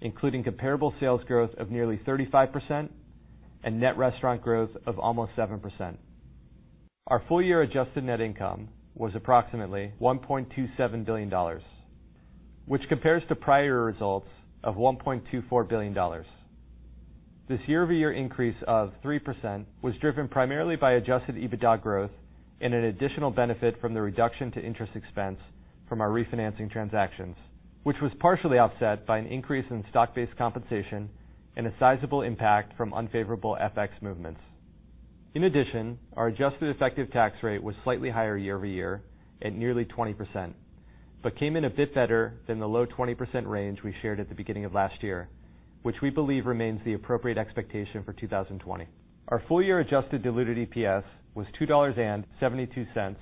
including comparable sales growth of nearly 35% and net restaurant growth of almost 7%. Our full-year adjusted net income was approximately $1.27 billion, which compares to prior results of $1.24 billion. This year-over-year increase of 3% was driven primarily by adjusted EBITDA growth and an additional benefit from the reduction to interest expense from our refinancing transactions, which was partially offset by an increase in stock-based compensation and a sizable impact from unfavorable FX movements. In addition, our adjusted effective tax rate was slightly higher year-over-year at nearly 20% but came in a bit better than the low 20% range we shared at the beginning of last year, which we believe remains the appropriate expectation for 2020. Our full-year adjusted diluted EPS was $2.72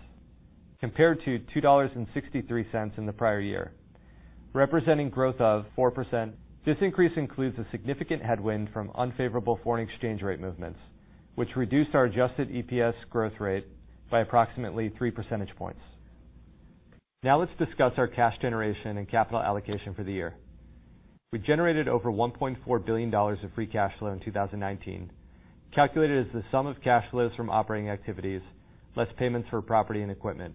compared to $2.63 in the prior year, representing growth of 4%. This increase includes a significant headwind from unfavorable foreign exchange rate movements, which reduced our adjusted EPS growth rate by approximately 3 percentage points. Now let's discuss our cash generation and capital allocation for the year. We generated over 1.4 billion dollars of free cash flow in 2019, calculated as the sum of cash flows from operating activities less payments for property and equipment.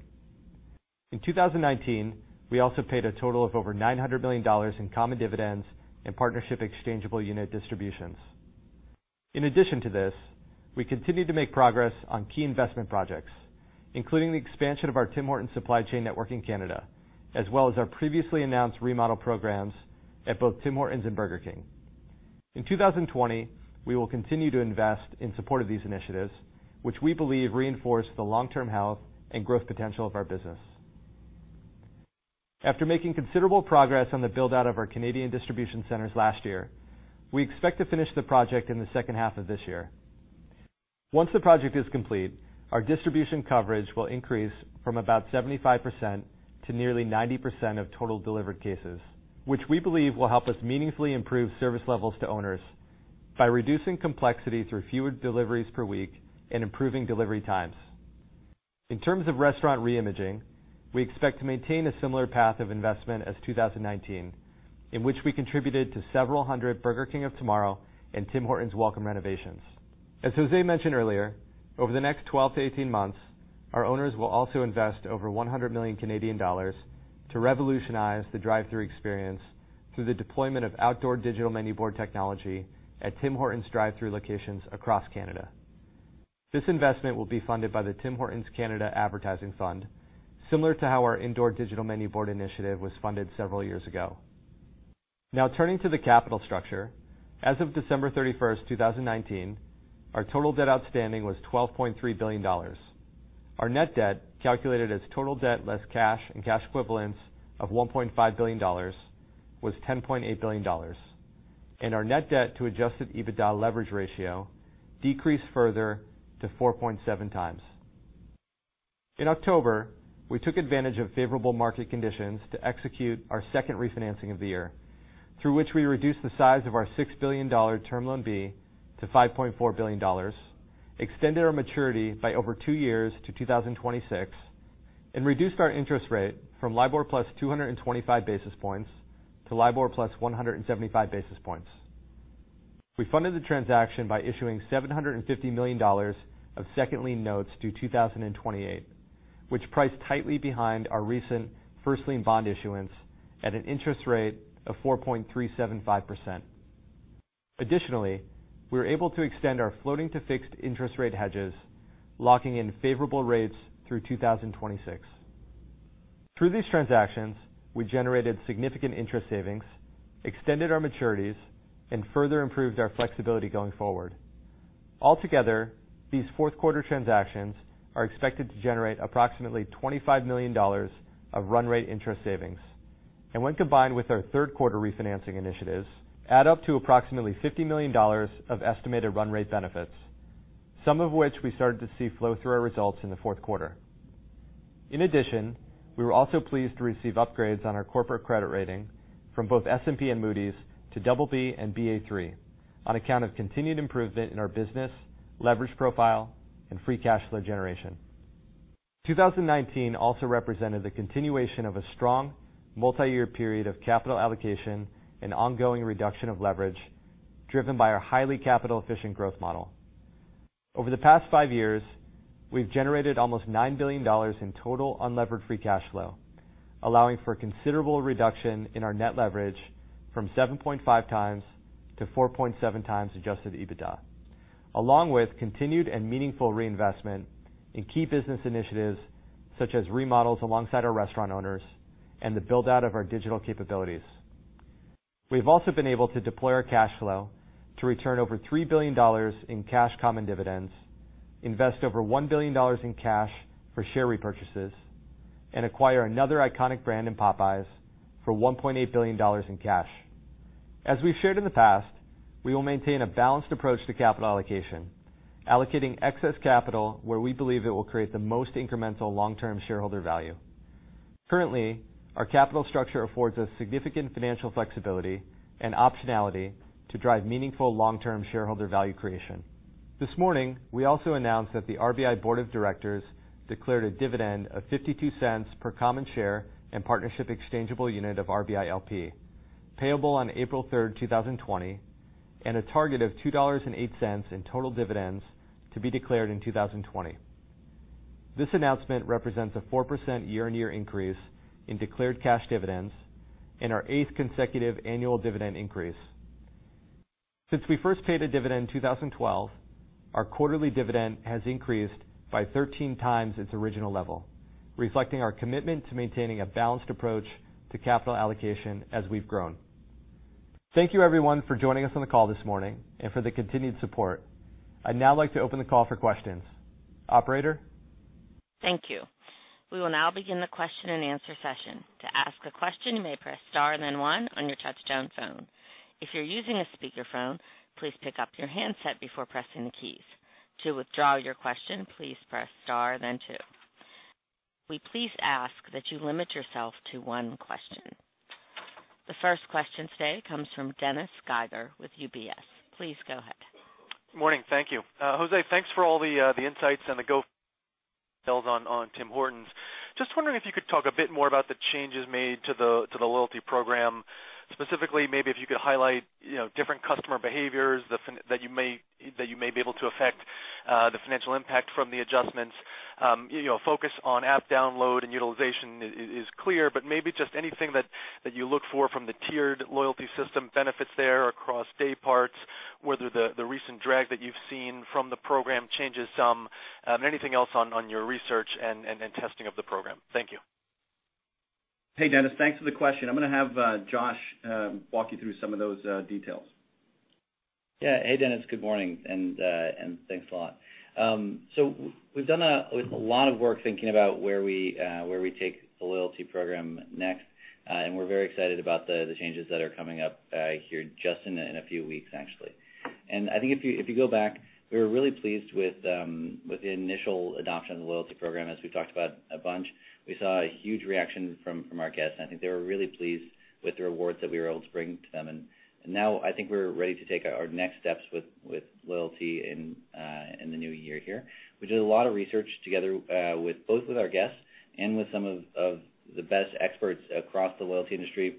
In 2019, we also paid a total of over 900 million dollars in common dividends and partnership exchangeable unit distributions. In addition to this, we continue to make progress on key investment projects, including the expansion of our Tim Hortons supply chain network in Canada, as well as our previously announced remodel programs at both Tim Hortons and Burger King. In 2020, we will continue to invest in support of these initiatives, which we believe reinforce the long-term health and growth potential of our business. After making considerable progress on the build-out of our Canadian distribution centers last year, we expect to finish the project in the second half of this year. Once the project is complete, our distribution coverage will increase from about 75% to nearly 90% of total delivered cases, which we believe will help us meaningfully improve service levels to owners by reducing complexity through fewer deliveries per week and improving delivery times. In terms of restaurant re-imaging, we expect to maintain a similar path of investment as 2019, in which we contributed to several hundred Burger King of Tomorrow and Tim Hortons Welcome renovations. As Jose mentioned earlier, over the next 12-18 months, our owners will also invest over 100 million Canadian dollars to revolutionize the drive-through experience through the deployment of outdoor digital menu board technology at Tim Hortons drive-through locations across Canada. This investment will be funded by the Tim Hortons Canada Advertising Fund, similar to how our indoor digital menu board initiative was funded several years ago. Now, turning to the capital structure, as of December 31, 2019, our total debt outstanding was $12.3 billion. Our net debt, calculated as total debt less cash and cash equivalents of $1.5 billion, was $10.8 billion. Our net debt to adjusted EBITDA leverage ratio decreased further to 4.7x. In October, we took advantage of favorable market conditions to execute our second refinancing of the year, through which we reduced the size of our $6 billion Term Loan B to $5.4 billion, extended our maturity by over two years to 2026, and reduced our interest rate from LIBOR plus 225 basis points to LIBOR plus 175 basis points. We funded the transaction by issuing $750 million of second lien notes due 2028, which priced tightly behind our recent first lien bond issuance at an interest rate of 4.375%. We were able to extend our floating to fixed interest rate hedges, locking in favorable rates through 2026. Through these transactions, we generated significant interest savings, extended our maturities, and further improved our flexibility going forward. These fourth quarter transactions are expected to generate approximately $25 million of run rate interest savings. When combined with our third quarter refinancing initiatives, add up to approximately $50 million of estimated run rate benefits, some of which we started to see flow through our results in the fourth quarter. In addition, we were also pleased to receive upgrades on our corporate credit rating from both S&P and Moody's to BB and Ba3 on account of continued improvement in our business, leverage profile, and free cash flow generation. 2019 also represented the continuation of a strong multi-year period of capital allocation and ongoing reduction of leverage, driven by our highly capital-efficient growth model. Over the past five years, we've generated almost $9 billion in total unlevered free cash flow, allowing for a considerable reduction in our net leverage from 7.5x-4.7x adjusted EBITDA, along with continued and meaningful reinvestment in key business initiatives such as remodels alongside our restaurant owners and the build-out of our digital capabilities. We've also been able to deploy our cash flow to return over $3 billion in cash common dividends, invest over $1 billion in cash for share repurchases, and acquire another iconic brand in Popeyes for $1.8 billion in cash. As we've shared in the past, we will maintain a balanced approach to capital allocation, allocating excess capital where we believe it will create the most incremental long-term shareholder value. Currently, our capital structure affords us significant financial flexibility and optionality to drive meaningful long-term shareholder value creation. This morning, we also announced that the RBI board of directors declared a dividend of $0.52 per common share and partnership exchangeable unit of RBI LP, payable on April 3, 2020, and a target of $2.08 in total dividends to be declared in 2020. This announcement represents a 4% year-on-year increase in declared cash dividends and our eighth consecutive annual dividend increase. Since we first paid a dividend in 2012, our quarterly dividend has increased by 13x its original level, reflecting our commitment to maintaining a balanced approach to capital allocation as we've grown. Thank you, everyone, for joining us on the call this morning and for the continued support. I'd now like to open the call for questions. Operator. Thank you. We will now begin the question and answer session. To ask a question, you may press star and then one on your touchtone phone. If you're using a speakerphone, please pick up your handset before pressing the keys. To withdraw your question, please press star then two. We please ask that you limit yourself to one question. The first question today comes from Dennis Geiger with UBS. Please go ahead. Morning. Thank you. Jose, thanks for all the insights and the go on Tim Hortons. Just wondering if you could talk a bit more about the changes made to the loyalty program. Specifically, maybe if you could highlight, you know, different customer behaviors that you may be able to affect? The financial impact from the adjustments, focus on app download and utilization is clear, but maybe just anything that you look for from the tiered loyalty system benefits there across day parts, whether the recent drag that you've seen from the program changes some, anything else on your research and testing of the program? Thank you. Hey, Dennis. Thanks for the question. I'm going to have Josh walk you through some of those details. Yeah. Hey, Dennis. Good morning, and thanks a lot. We've done a lot of work thinking about where we take the loyalty program next. We're very excited about the changes that are coming up here just in a few weeks, actually. I think if you go back, we were really pleased with the initial adoption of the loyalty program, as we talked about a bunch. We saw a huge reaction from our guests, and I think they were really pleased with the rewards that we were able to bring to them. Now I think we're ready to take our next steps with loyalty in the new year here. We did a lot of research together with both with our guests and with some of the best experts across the loyalty industry,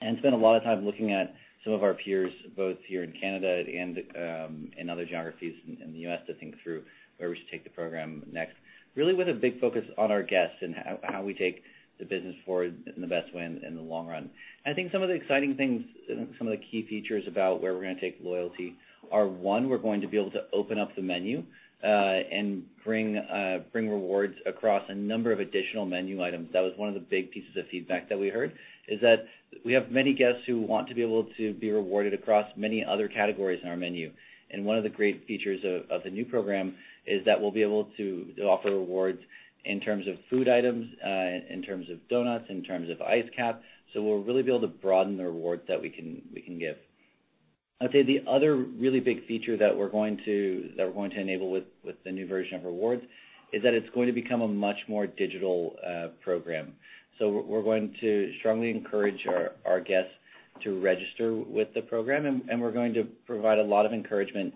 spent a lot of time looking at some of our peers, both here in Canada and in other geographies in the U.S., to think through where we should take the program next, really with a big focus on our guests and how we take the business forward in the best way in the long run. I think some of the exciting things, some of the key features about where we're going to take loyalty are, one, we're going to be able to open up the menu, and bring rewards across a number of additional menu items. That was one of the big pieces of feedback that we heard, is that we have many guests who want to be able to be rewarded across many other categories in our menu. One of the great features of the new program is that we'll be able to offer rewards in terms of food items, in terms of donuts, in terms of Iced Capp. We'll really be able to broaden the Rewards that we can give. I'd say the other really big feature that we're going to enable with the new version of Rewards is that it's going to become a much more digital program. We're going to strongly encourage our guests to register with the program, and we're going to provide a lot of encouragement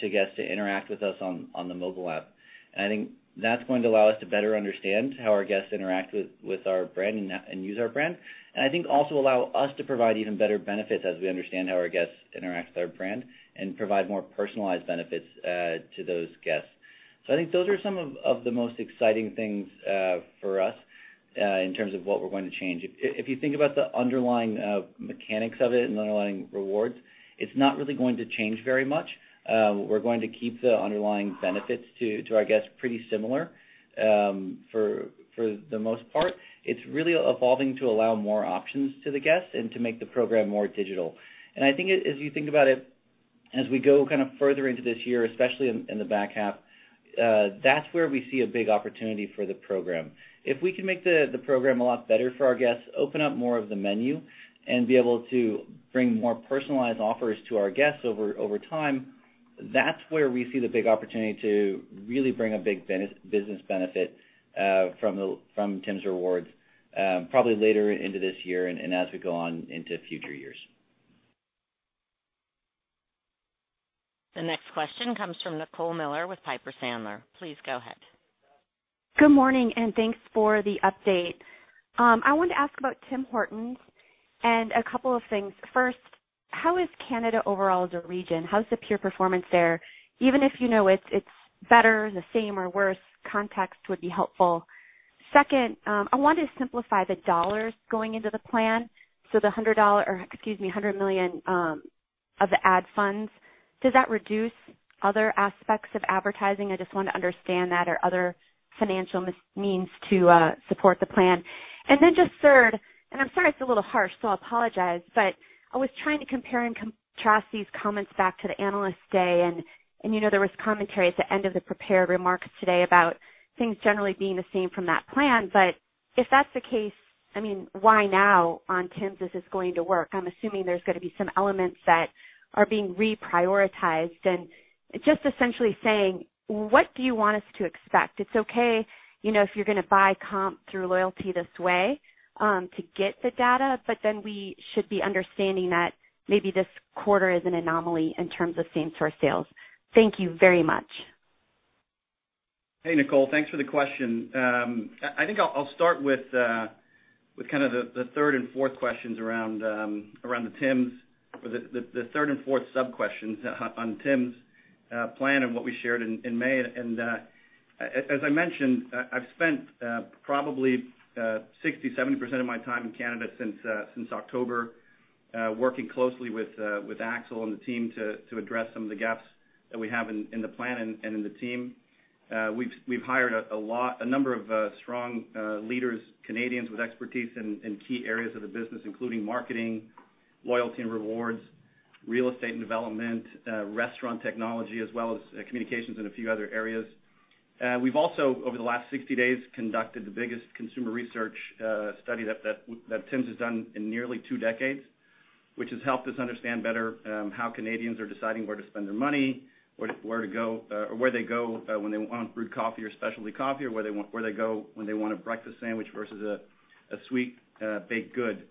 to guests to interact with us on the mobile app. I think that's going to allow us to better understand how our guests interact with our brand and use our brand, and I think also allow us to provide even better benefits as we understand how our guests interact with our brand and provide more personalized benefits to those guests. I think those are some of the most exciting things for us in terms of what we're going to change. If you think about the underlying mechanics of it and the underlying rewards, it's not really going to change very much. We're going to keep the underlying benefits to our guests pretty similar for the most part. It's really evolving to allow more options to the guests and to make the program more digital. I think as you think about it, as we go kind of further into this year, especially in the back half, that's where we see a big opportunity for the program. If we can make the program a lot better for our guests, open up more of the menu, and be able to bring more personalized offers to our guests over time, that's where we see the big opportunity to really bring a big business benefit from Tims Rewards probably later into this year and as we go on into future years. The next question comes from Nicole Miller with Piper Sandler. Please go ahead. Good morning. Thanks for the update. I wanted to ask about Tim Hortons and a couple of things. First, how is Canada overall as a region? How's the peer performance there? Even if you know it's better, the same, or worse, context would be helpful. Second, I wanted to simplify the dollars going into the plan. The $100 million of the ad funds, does that reduce other aspects of advertising? I just want to understand that or other financial means to support the plan. Just third, I'm sorry it's a little harsh. I apologize. I was trying to compare and contrast these comments back to the Analyst Day. There was commentary at the end of the prepared remarks today about things generally being the same from that plan. If that's the case, why now on Tims is this going to work? I'm assuming there's going to be some elements that are being reprioritized and just essentially saying, "What do you want us to expect?" It's okay if you're going to buy comp through loyalty this way to get the data, but then we should be understanding that maybe this quarter is an anomaly in terms of same-store sales. Thank you very much. Hey, Nicole. Thanks for the question. I think I'll start with kind of the third and fourth questions around the Tim's or the third and fourth sub-questions on Tim's plan and what we shared in May. As I mentioned, I've spent probably 60%, 70% of my time in Canada since October, working closely with Axel and the team to address some of the gaps that we have in the plan and in the team. We've hired a number of strong leaders, Canadians with expertise in key areas of the business, including marketing, loyalty and rewards, real estate and development, restaurant technology, as well as communications in a few other areas. We've also, over the last 60 days, conducted the biggest consumer research study that Tims has done in nearly two decades, which has helped us understand better how Canadians are deciding where to spend their money, where to go when they want brewed coffee or specialty coffee, or where they go when they want a breakfast sandwich versus a sweet baked good.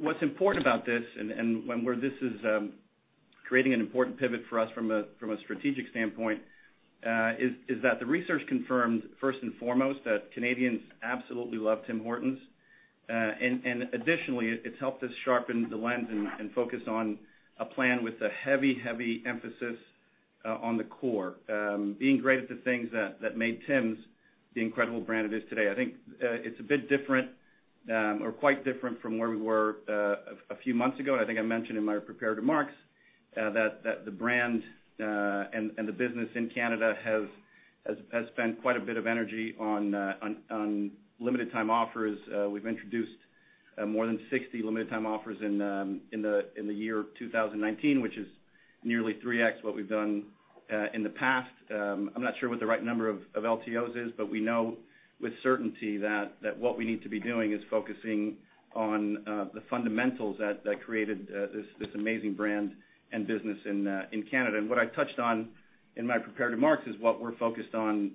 What's important about this and where this is creating an important pivot for us from a strategic standpoint, is that the research confirmed first and foremost that Canadians absolutely love Tim Hortons. Additionally, it's helped us sharpen the lens and focus on a plan with a heavy emphasis on the core. Being great at the things that made Tims the incredible brand it is today. I think it's a bit different or quite different from where we were a few months ago, and I think I mentioned in my prepared remarks that the brand and the business in Canada has spent quite a bit of energy on Limited-Time Offers. We've introduced more than 60 Limited-Time Offers in the year 2019, which is nearly 3x what we've done in the past. I'm not sure what the right number of LTOs is, but we know with certainty that what we need to be doing is focusing on the fundamentals that created this amazing brand and business in Canada. And what I touched on in my prepared remarks is what we're focused on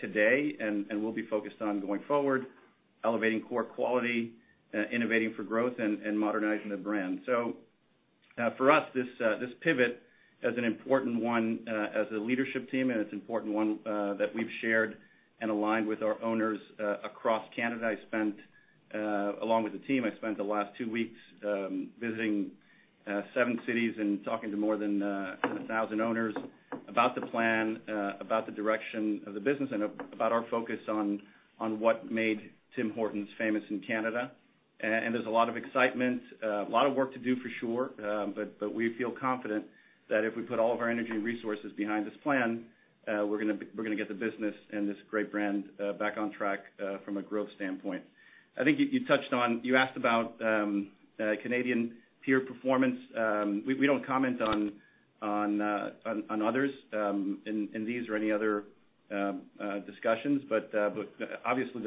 today and will be focused on going forward, elevating core quality, innovating for growth, and modernizing the brand. For us, this pivot is an important one as a leadership team, and it's an important one that we've shared and aligned with our owners across Canada. Along with the team, I spent the last two weeks visiting seven cities and talking to more than a thousand owners about the plan, about the direction of the business, and about our focus on what made Tim Hortons famous in Canada. There's a lot of excitement, a lot of work to do, for sure. We feel confident that if we put all of our energy and resources behind this plan, we're going to get the business and this great brand back on track from a growth standpoint. I think you asked about Canadian peer performance. We don't comment on others in these or any other discussions. Obviously,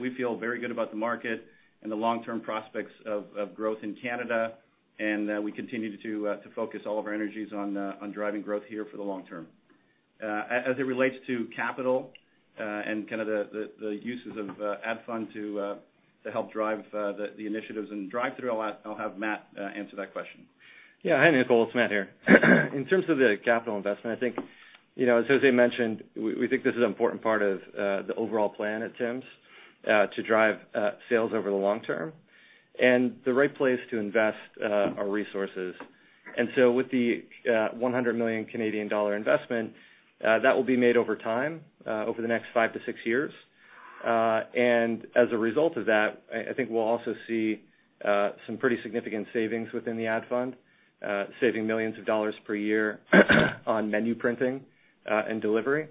we feel very good about the market and the long-term prospects of growth in Canada, and we continue to focus all of our energies on driving growth here for the long term. As it relates to capital and kind of the uses of ad fund to help drive the initiatives and drive-thru, I'll have Matt answer that question. Hi, Nicole. It's Matt here. In terms of the capital investment, I think as Jose mentioned, we think this is an important part of the overall plan at Tim's to drive sales over the long term and the right place to invest our resources. With the 100 million Canadian dollar investment, that will be made over time, over the next five to six years. As a result of that, I think we'll also see some pretty significant savings within the ad fund, saving millions of CAD per year on menu printing and delivery.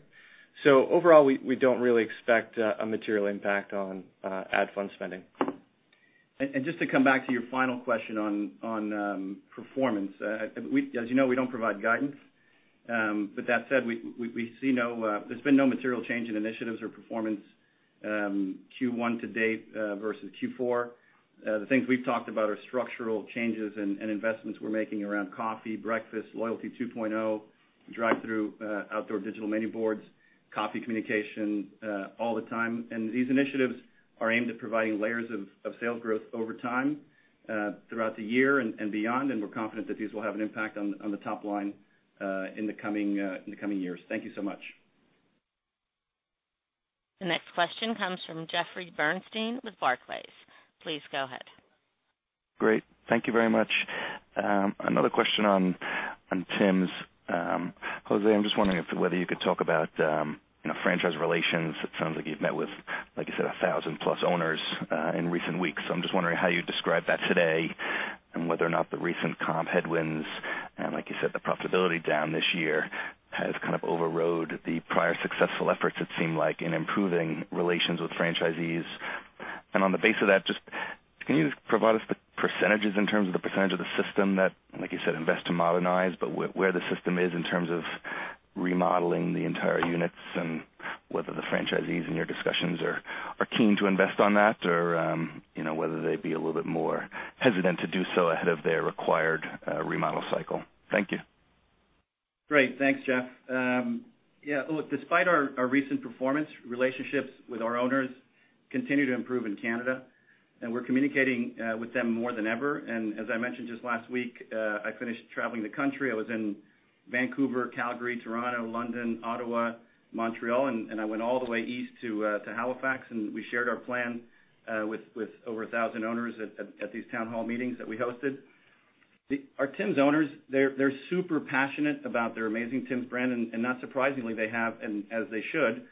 Overall, we don't really expect a material impact on ad fund spending. Just to come back to your final question on performance, as you know, we don't provide guidance. With that said, there's been no material change in initiatives or performance Q1 to date versus Q4. The things we've talked about are structural changes and investments we're making around coffee, breakfast, Loyalty 2.0, drive-thru, outdoor digital menu boards, coffee communication all the time. These initiatives are aimed at providing layers of sales growth over time, throughout the year and beyond. We're confident that these will have an impact on the top line in the coming years. Thank you so much. The next question comes from Jeffrey Bernstein with Barclays. Please go ahead. Great. Thank you very much. Another question on Tims. Jose, I'm just wondering whether you could talk about franchise relations. It sounds like you've met with, like you said, 1,000+ owners in recent weeks. I'm just wondering how you describe that today and whether or not the recent comp headwinds, and like you said, the profitability down this year, has kind of overrode the prior successful efforts, it seemed like, in improving relations with franchisees. On the base of that, can you just provide us the percentages in terms of the percentage of the system that, like you said, invest to modernize, but where the system is in terms of remodeling the entire units and whether the franchisees in your discussions are keen to invest on that or whether they'd be a little bit more hesitant to do so ahead of their required remodel cycle. Thank you. Great. Thanks, Jeff. Yeah, look, despite our recent performance, relationships with our owners continue to improve in Canada. We're communicating with them more than ever. As I mentioned, just last week, I finished traveling the country. I was in Vancouver, Calgary, Toronto, London, Ottawa, Montreal, and I went all the way east to Halifax, and we shared our plan with over 1,000 owners at these town hall meetings that we hosted. Our Tim's owners, they're super passionate about their amazing Tim's brand, and not surprisingly, as they should,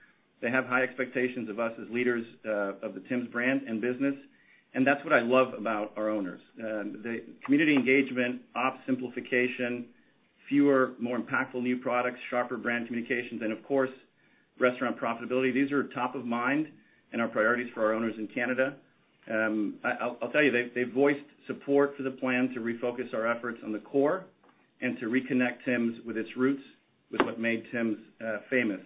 they have high expectations of us as leaders of the Tim's brand and business, and that's what I love about our owners. The community engagement, ops simplification, fewer, more impactful new products, sharper brand communications, and of course, restaurant profitability, these are top of mind and are priorities for our owners in Canada. I'll tell you, they voiced support for the plan to refocus our efforts on the core and to reconnect Tims with its roots, with what made Tims famous.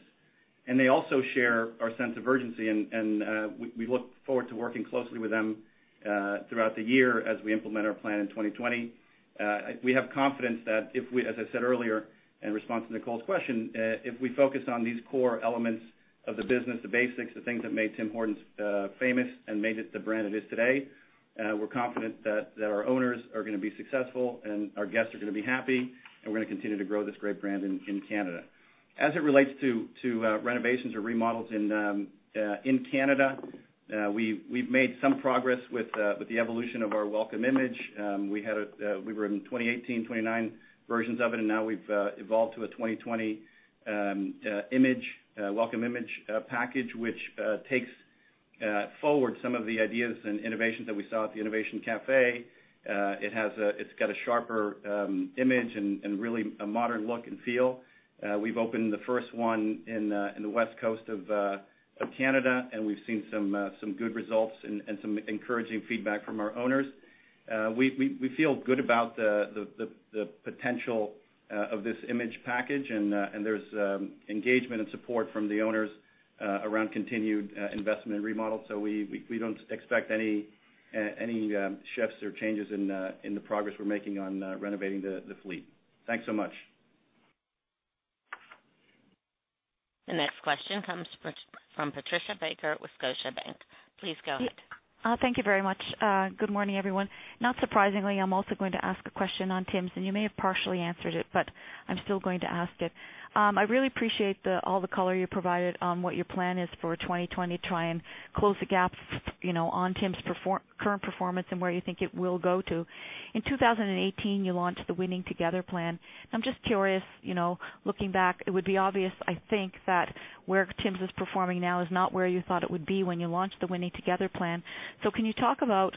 They also share our sense of urgency, and we look forward to working closely with them throughout the year as we implement our plan in 2020. We have confidence that if we, as I said earlier in response to Nicole's question, if we focus on these core elements of the business, the basics, the things that made Tim Hortons famous and made it the brand it is today, we're confident that our owners are going to be successful and our guests are going to be happy, and we're going to continue to grow this great brand in Canada. As it relates to renovations or remodels in Canada. We've made some progress with the evolution of our welcome image. We were in 2018, 2019 versions of it, now we've evolved to a 2020 welcome image package, which takes forward some of the ideas and innovations that we saw at the Innovation Café. It's got a sharper image and really a modern look and feel. We've opened the first one in the West Coast of Canada, we've seen some good results and some encouraging feedback from our owners. We feel good about the potential of this image package, there's engagement and support from the owners around continued investment and remodel. We don't expect any shifts or changes in the progress we're making on renovating the fleet. Thanks so much. The next question comes from Patricia Baker with Scotiabank. Please go ahead. Thank you very much. Good morning, everyone. Not surprisingly, I'm also going to ask a question on Tims, and you may have partially answered it, but I'm still going to ask it. I really appreciate all the color you provided on what your plan is for 2020 to try and close the gap on Tims' current performance and where you think it will go to. In 2018, you launched the Winning Together plan. I'm just curious, looking back, it would be obvious, I think, that where Tims is performing now is not where you thought it would be when you launched the Winning Together plan. Can you talk about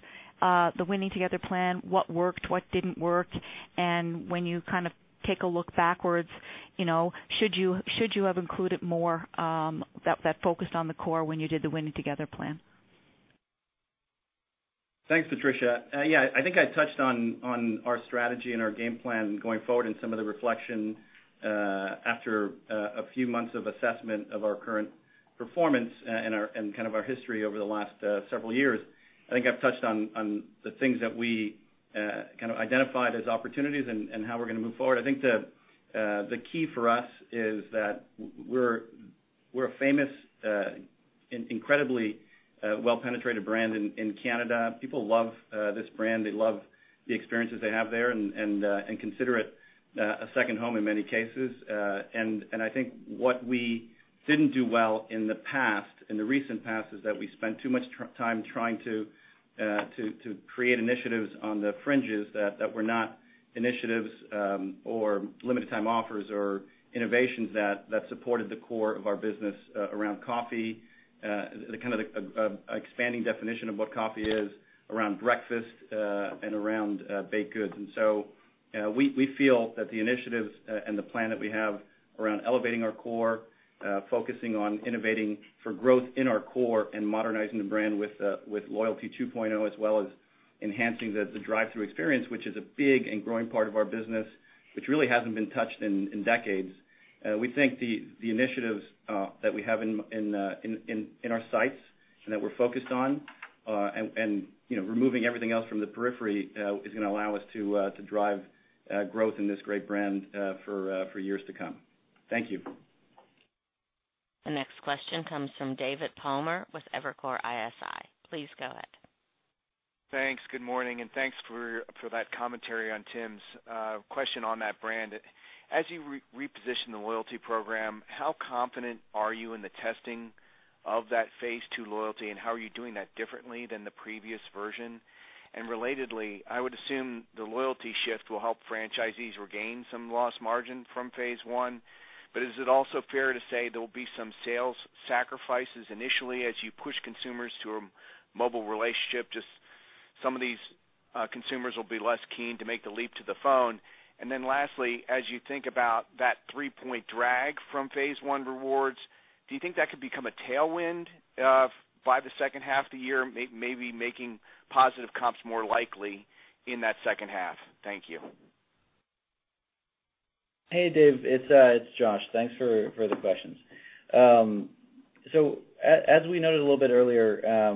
the Winning Together plan, what worked, what didn't work, and when you take a look backwards, should you have included more that focused on the core when you did the Winning Together plan? Thanks, Patricia. Yeah, I think I touched on our strategy and our game plan going forward and some of the reflection after a few months of assessment of our current performance and our history over the last several years. I think I've touched on the things that we identified as opportunities and how we're going to move forward. I think the key for us is that we're a famous, incredibly well-penetrated brand in Canada. People love this brand. They love the experiences they have there and consider it a second home in many cases. I think what we didn't do well in the recent past is that we spent too much time trying to create initiatives on the fringes that were not initiatives or limited time offers or innovations that supported the core of our business around coffee, the expanding definition of what coffee is, around breakfast, and around baked goods. We feel that the initiatives and the plan that we have around elevating our core, focusing on innovating for growth in our core, and modernizing the brand with Loyalty 2.0, as well as enhancing the drive-thru experience, which is a big and growing part of our business, which really hasn't been touched in decades. We think the initiatives that we have in our sights and that we're focused on, and removing everything else from the periphery, is going to allow us to drive growth in this great brand for years to come. Thank you. The next question comes from David Palmer with Evercore ISI. Please go ahead. Thanks. Good morning, and thanks for that commentary on Tims. Question on that brand. As you reposition the loyalty program, how confident are you in the testing of that phase II loyalty, and how are you doing that differently than the previous version? Relatedly, I would assume the loyalty shift will help franchisees regain some lost margin from phase I. Is it also fair to say there will be some sales sacrifices initially as you push consumers to a mobile relationship, just some of these consumers will be less keen to make the leap to the phone. Lastly, as you think about that 3-point drag from phase I rewards, do you think that could become a tailwind by the second half of the year, maybe making positive comps more likely in that second half? Thank you. Hey, Dave, it's Josh. Thanks for the questions. As we noted a little bit earlier,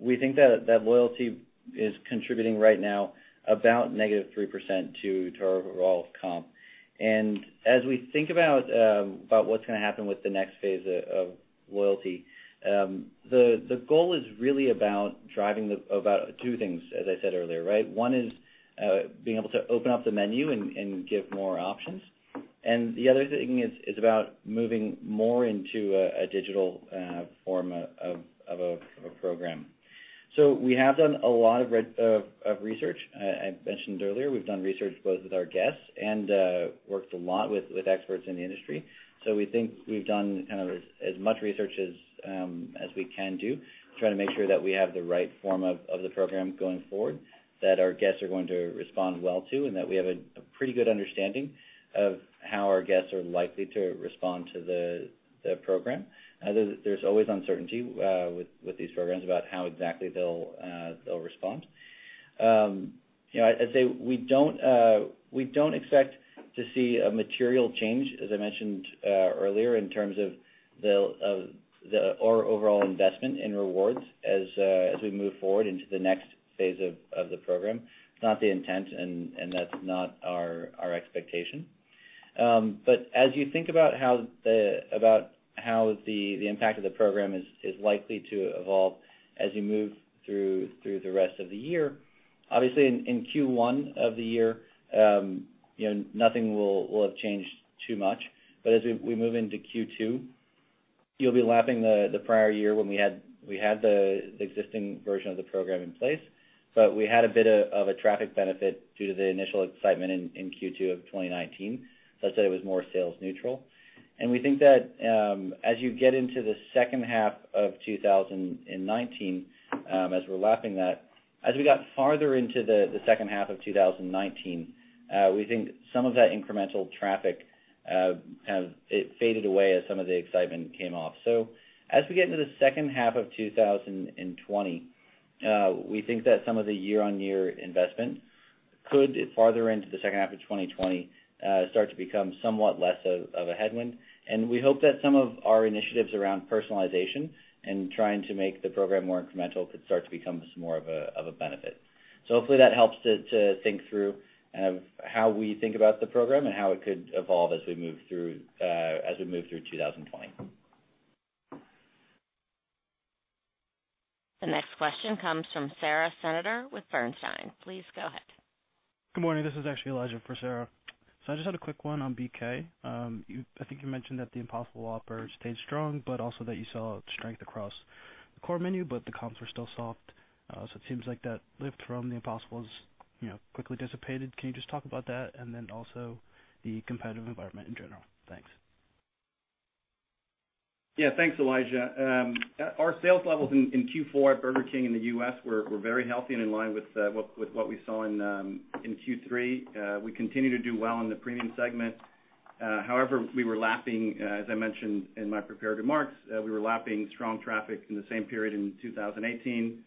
we think that loyalty is contributing right now about -3% to our overall comp. As we think about what's going to happen with the next phase of loyalty, the goal is really about two things, as I said earlier. One is being able to open up the menu and give more options, and the other thing is about moving more into a digital form of a program. We have done a lot of research. I mentioned earlier, we've done research both with our guests and worked a lot with experts in the industry. We think we've done as much research as we can do to try to make sure that we have the right form of the program going forward, that our guests are going to respond well to, and that we have a pretty good understanding of how our guests are likely to respond to the program. There's always uncertainty with these programs about how exactly they'll respond. I'd say we don't expect to see a material change, as I mentioned earlier, in terms of our overall investment in rewards as we move forward into the next phase of the program. It's not the intent, and that's not our expectation. As you think about how the impact of the program is likely to evolve as you move through the rest of the year, obviously in Q1 of the year, nothing will have changed too much. As we move into Q2. You'll be lapping the prior year when we had the existing version of the program in place. We had a bit of a traffic benefit due to the initial excitement in Q2 of 2019, such that it was more sales neutral. We think that as you get into the second half of 2019, as we're lapping that, as we got farther into the second half of 2019, we think some of that incremental traffic faded away as some of the excitement came off. As we get into the second half of 2020, we think that some of the year-on-year investment could, farther into the second half of 2020, start to become somewhat less of a headwind. We hope that some of our initiatives around personalization and trying to make the program more incremental could start to become more of a benefit. Hopefully that helps to think through how we think about the program and how it could evolve as we move through 2020. The next question comes from Sara Senatore with Bernstein. Please go ahead. Good morning. This is actually Elijah for Sara. I just had a quick one on BK. I think you mentioned that the Impossible Whopper stayed strong, but also that you saw strength across the core menu, but the comps were still soft. It seems like that lift from the Impossible is quickly dissipated. Can you just talk about that? Then also the competitive environment in general. Thanks. Yeah. Thanks, Elijah. Our sales levels in Q4 at Burger King in the U.S. were very healthy and in line with what we saw in Q3. We continue to do well in the premium segment. However, as I mentioned in my prepared remarks, we were lapping strong traffic in the same period in 2018,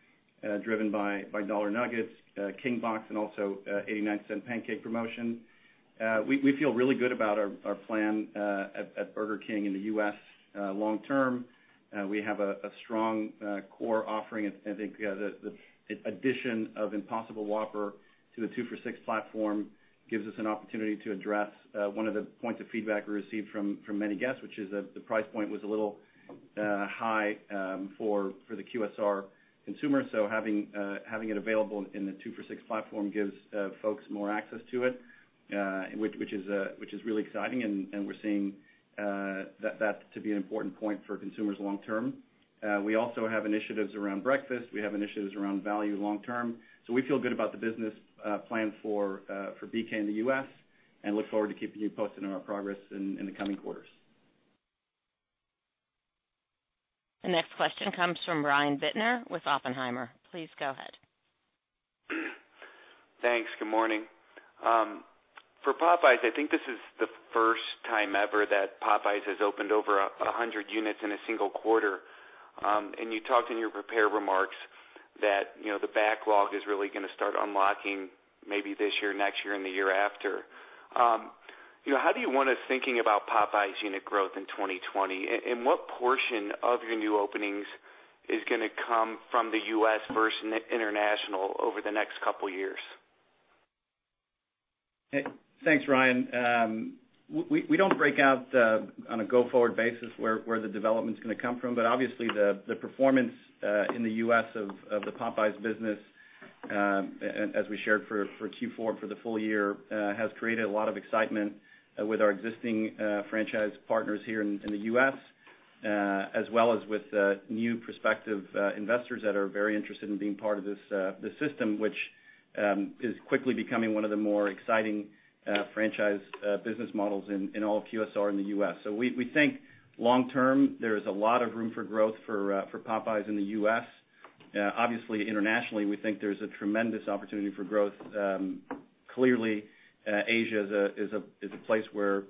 driven by Dollar Nuggets, King Box, and also $0.89 pancake promotion. We feel really good about our plan at Burger King in the U.S. long term. I think the addition of Impossible Whopper to the two for $6 platform gives us an opportunity to address one of the points of feedback we received from many guests, which is that the price point was a little high for the QSR consumer. Having it available in the two for $6 platform gives folks more access to it, which is really exciting, and we're seeing that to be an important point for consumers long term. We also have initiatives around breakfast. We have initiatives around value long term. We feel good about the business plan for BK in the U.S. and look forward to keeping you posted on our progress in the coming quarters. The next question comes from Brian Bittner with Oppenheimer. Please go ahead. Thanks. Good morning. For Popeyes, I think this is the first time ever that Popeyes has opened over 100 units in a single quarter. You talked in your prepared remarks that the backlog is really going to start unlocking maybe this year, next year, and the year after. How do you want us thinking about Popeyes unit growth in 2020? What portion of your new openings is going to come from the U.S. versus international over the next couple of years? Thanks, Brian. We don't break out on a go-forward basis where the development's going to come from. Obviously, the performance in the U.S. of the Popeyes business, as we shared for Q4, for the full year, has created a lot of excitement with our existing franchise partners here in the U.S., as well as with new prospective investors that are very interested in being part of this system, which is quickly becoming one of the more exciting franchise business models in all of QSR in the U.S. We think long term, there is a lot of room for growth for Popeyes in the U.S. Internationally, we think there's a tremendous opportunity for growth. Asia is a place where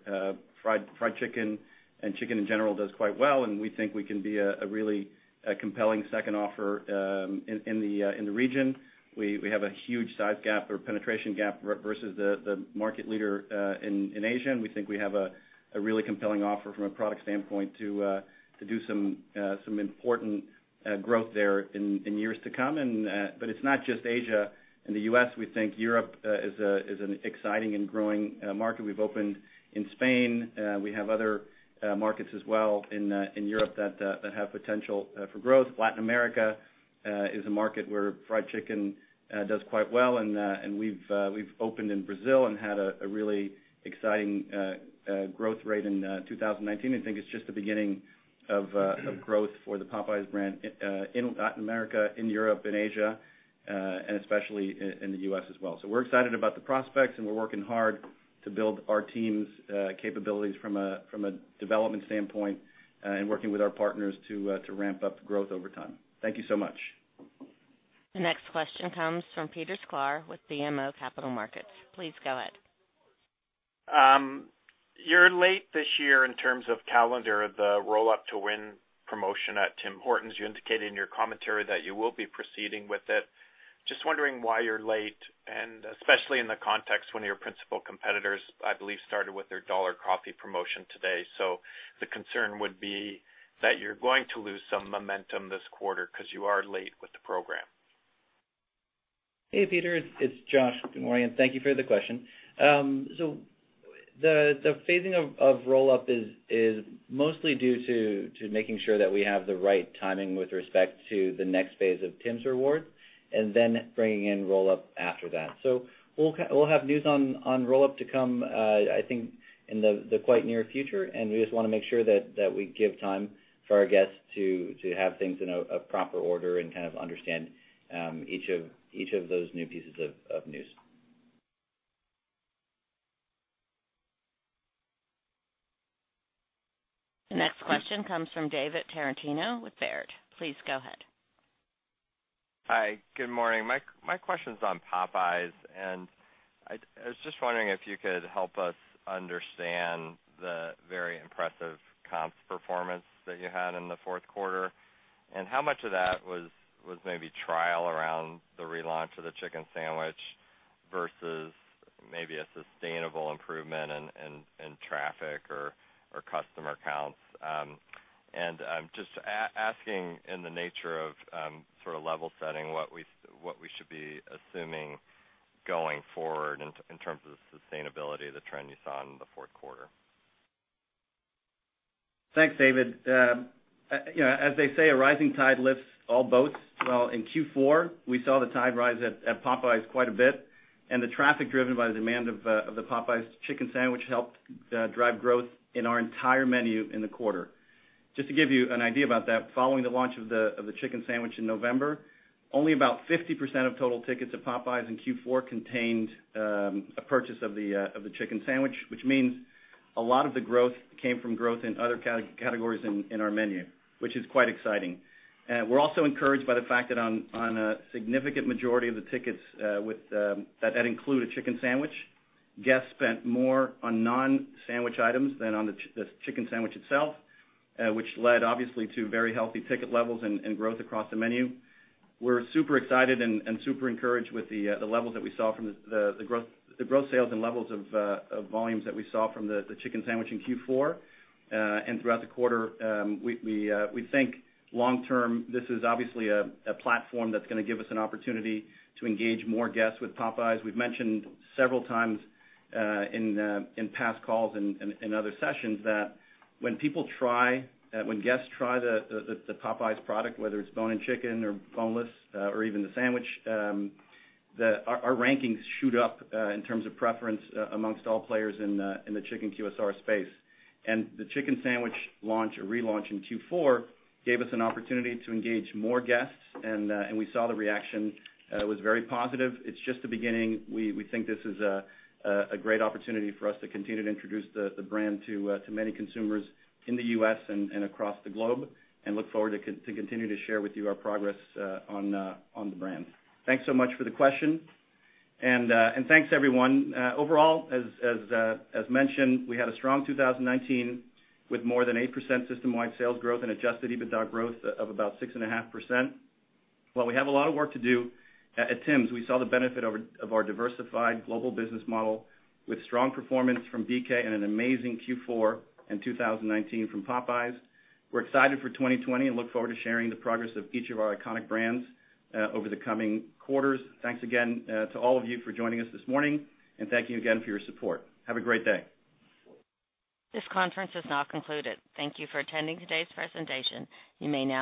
fried chicken and chicken in general does quite well, and we think we can be a really compelling second offer in the region. We have a huge size gap or penetration gap versus the market leader in Asia, and we think we have a really compelling offer from a product standpoint to do some important growth there in years to come. It's not just Asia and the U.S. We think Europe is an exciting and growing market. We've opened in Spain. We have other markets as well in Europe that have potential for growth. Latin America is a market where fried chicken does quite well, and we've opened in Brazil and had a really exciting growth rate in 2019. I think it's just the beginning of growth for the Popeyes brand in Latin America, in Europe, in Asia, and especially in the U.S. as well. We're excited about the prospects, and we're working hard to build our team's capabilities from a development standpoint and working with our partners to ramp up growth over time. Thank you so much. The next question comes from Peter Sklar with BMO Capital Markets. Please go ahead. You're late this year in terms of calendar, the Roll Up to Win promotion at Tim Hortons. You indicated in your commentary that you will be proceeding with it. Just wondering why you're late, and especially in the context when your principal competitors, I believe, started with their dollar coffee promotion today. The concern would be that you're going to lose some momentum this quarter because you are late with the program. Hey, Peter, it's Josh. Good morning, thank you for the question. The phasing of Roll-Up is mostly due to making sure that we have the right timing with respect to the next phase of Tims Rewards, and then bringing in Roll-Up after that. We'll have news on Roll-Up to come, I think, in the quite near future, and we just want to make sure that we give time for our guests to have things in a proper order and kind of understand each of those new pieces of news. The next question comes from David Tarantino with Baird. Please go ahead. Hi, good morning. My question's on Popeyes. I was just wondering if you could help us understand the very impressive comps performance that you had in the fourth quarter, and how much of that was maybe trial around the relaunch of the chicken sandwich versus maybe a sustainable improvement in traffic or customer counts. Just asking in the nature of sort of level setting what we should be assuming going forward in terms of the sustainability of the trend you saw in the fourth quarter. Thanks, David. As they say, a rising tide lifts all boats. Well, in Q4, we saw the tide rise at Popeyes quite a bit, and the traffic driven by the demand of the Popeyes Chicken Sandwich helped drive growth in our entire menu in the quarter. Just to give you an idea about that, following the launch of the Chicken Sandwich in November, only about 50% of total tickets at Popeyes in Q4 contained a purchase of the Chicken Sandwich, which means a lot of the growth came from growth in other categories in our menu, which is quite exciting. We're also encouraged by the fact that on a significant majority of the tickets that include a Chicken Sandwich, guests spent more on non-sandwich items than on the Chicken Sandwich itself, which led obviously to very healthy ticket levels and growth across the menu. We're super excited and super encouraged with the levels that we saw from the growth sales and levels of volumes that we saw from the chicken sandwich in Q4. Throughout the quarter, we think long term, this is obviously a platform that's going to give us an opportunity to engage more guests with Popeyes. We've mentioned several times in past calls and in other sessions that when guests try the Popeyes product, whether it's bone-in chicken or boneless or even the sandwich, that our rankings shoot up in terms of preference amongst all players in the chicken QSR space. The chicken sandwich relaunch in Q4 gave us an opportunity to engage more guests, and we saw the reaction was very positive. It's just the beginning. We think this is a great opportunity for us to continue to introduce the brand to many consumers in the U.S. and across the globe, and look forward to continue to share with you our progress on the brand. Thanks so much for the question, and thanks, everyone. Overall, as mentioned, we had a strong 2019 with more than 8% systemwide sales growth and adjusted EBITDA growth of about 6.5%. While we have a lot of work to do at Tims, we saw the benefit of our diversified global business model with strong performance from BK and an amazing Q4 in 2019 from Popeyes. We're excited for 2020 and look forward to sharing the progress of each of our iconic brands over the coming quarters. Thanks again to all of you for joining us this morning, and thank you again for your support. Have a great day. This conference is now concluded. Thank you for attending today's presentation. You may now disconnect.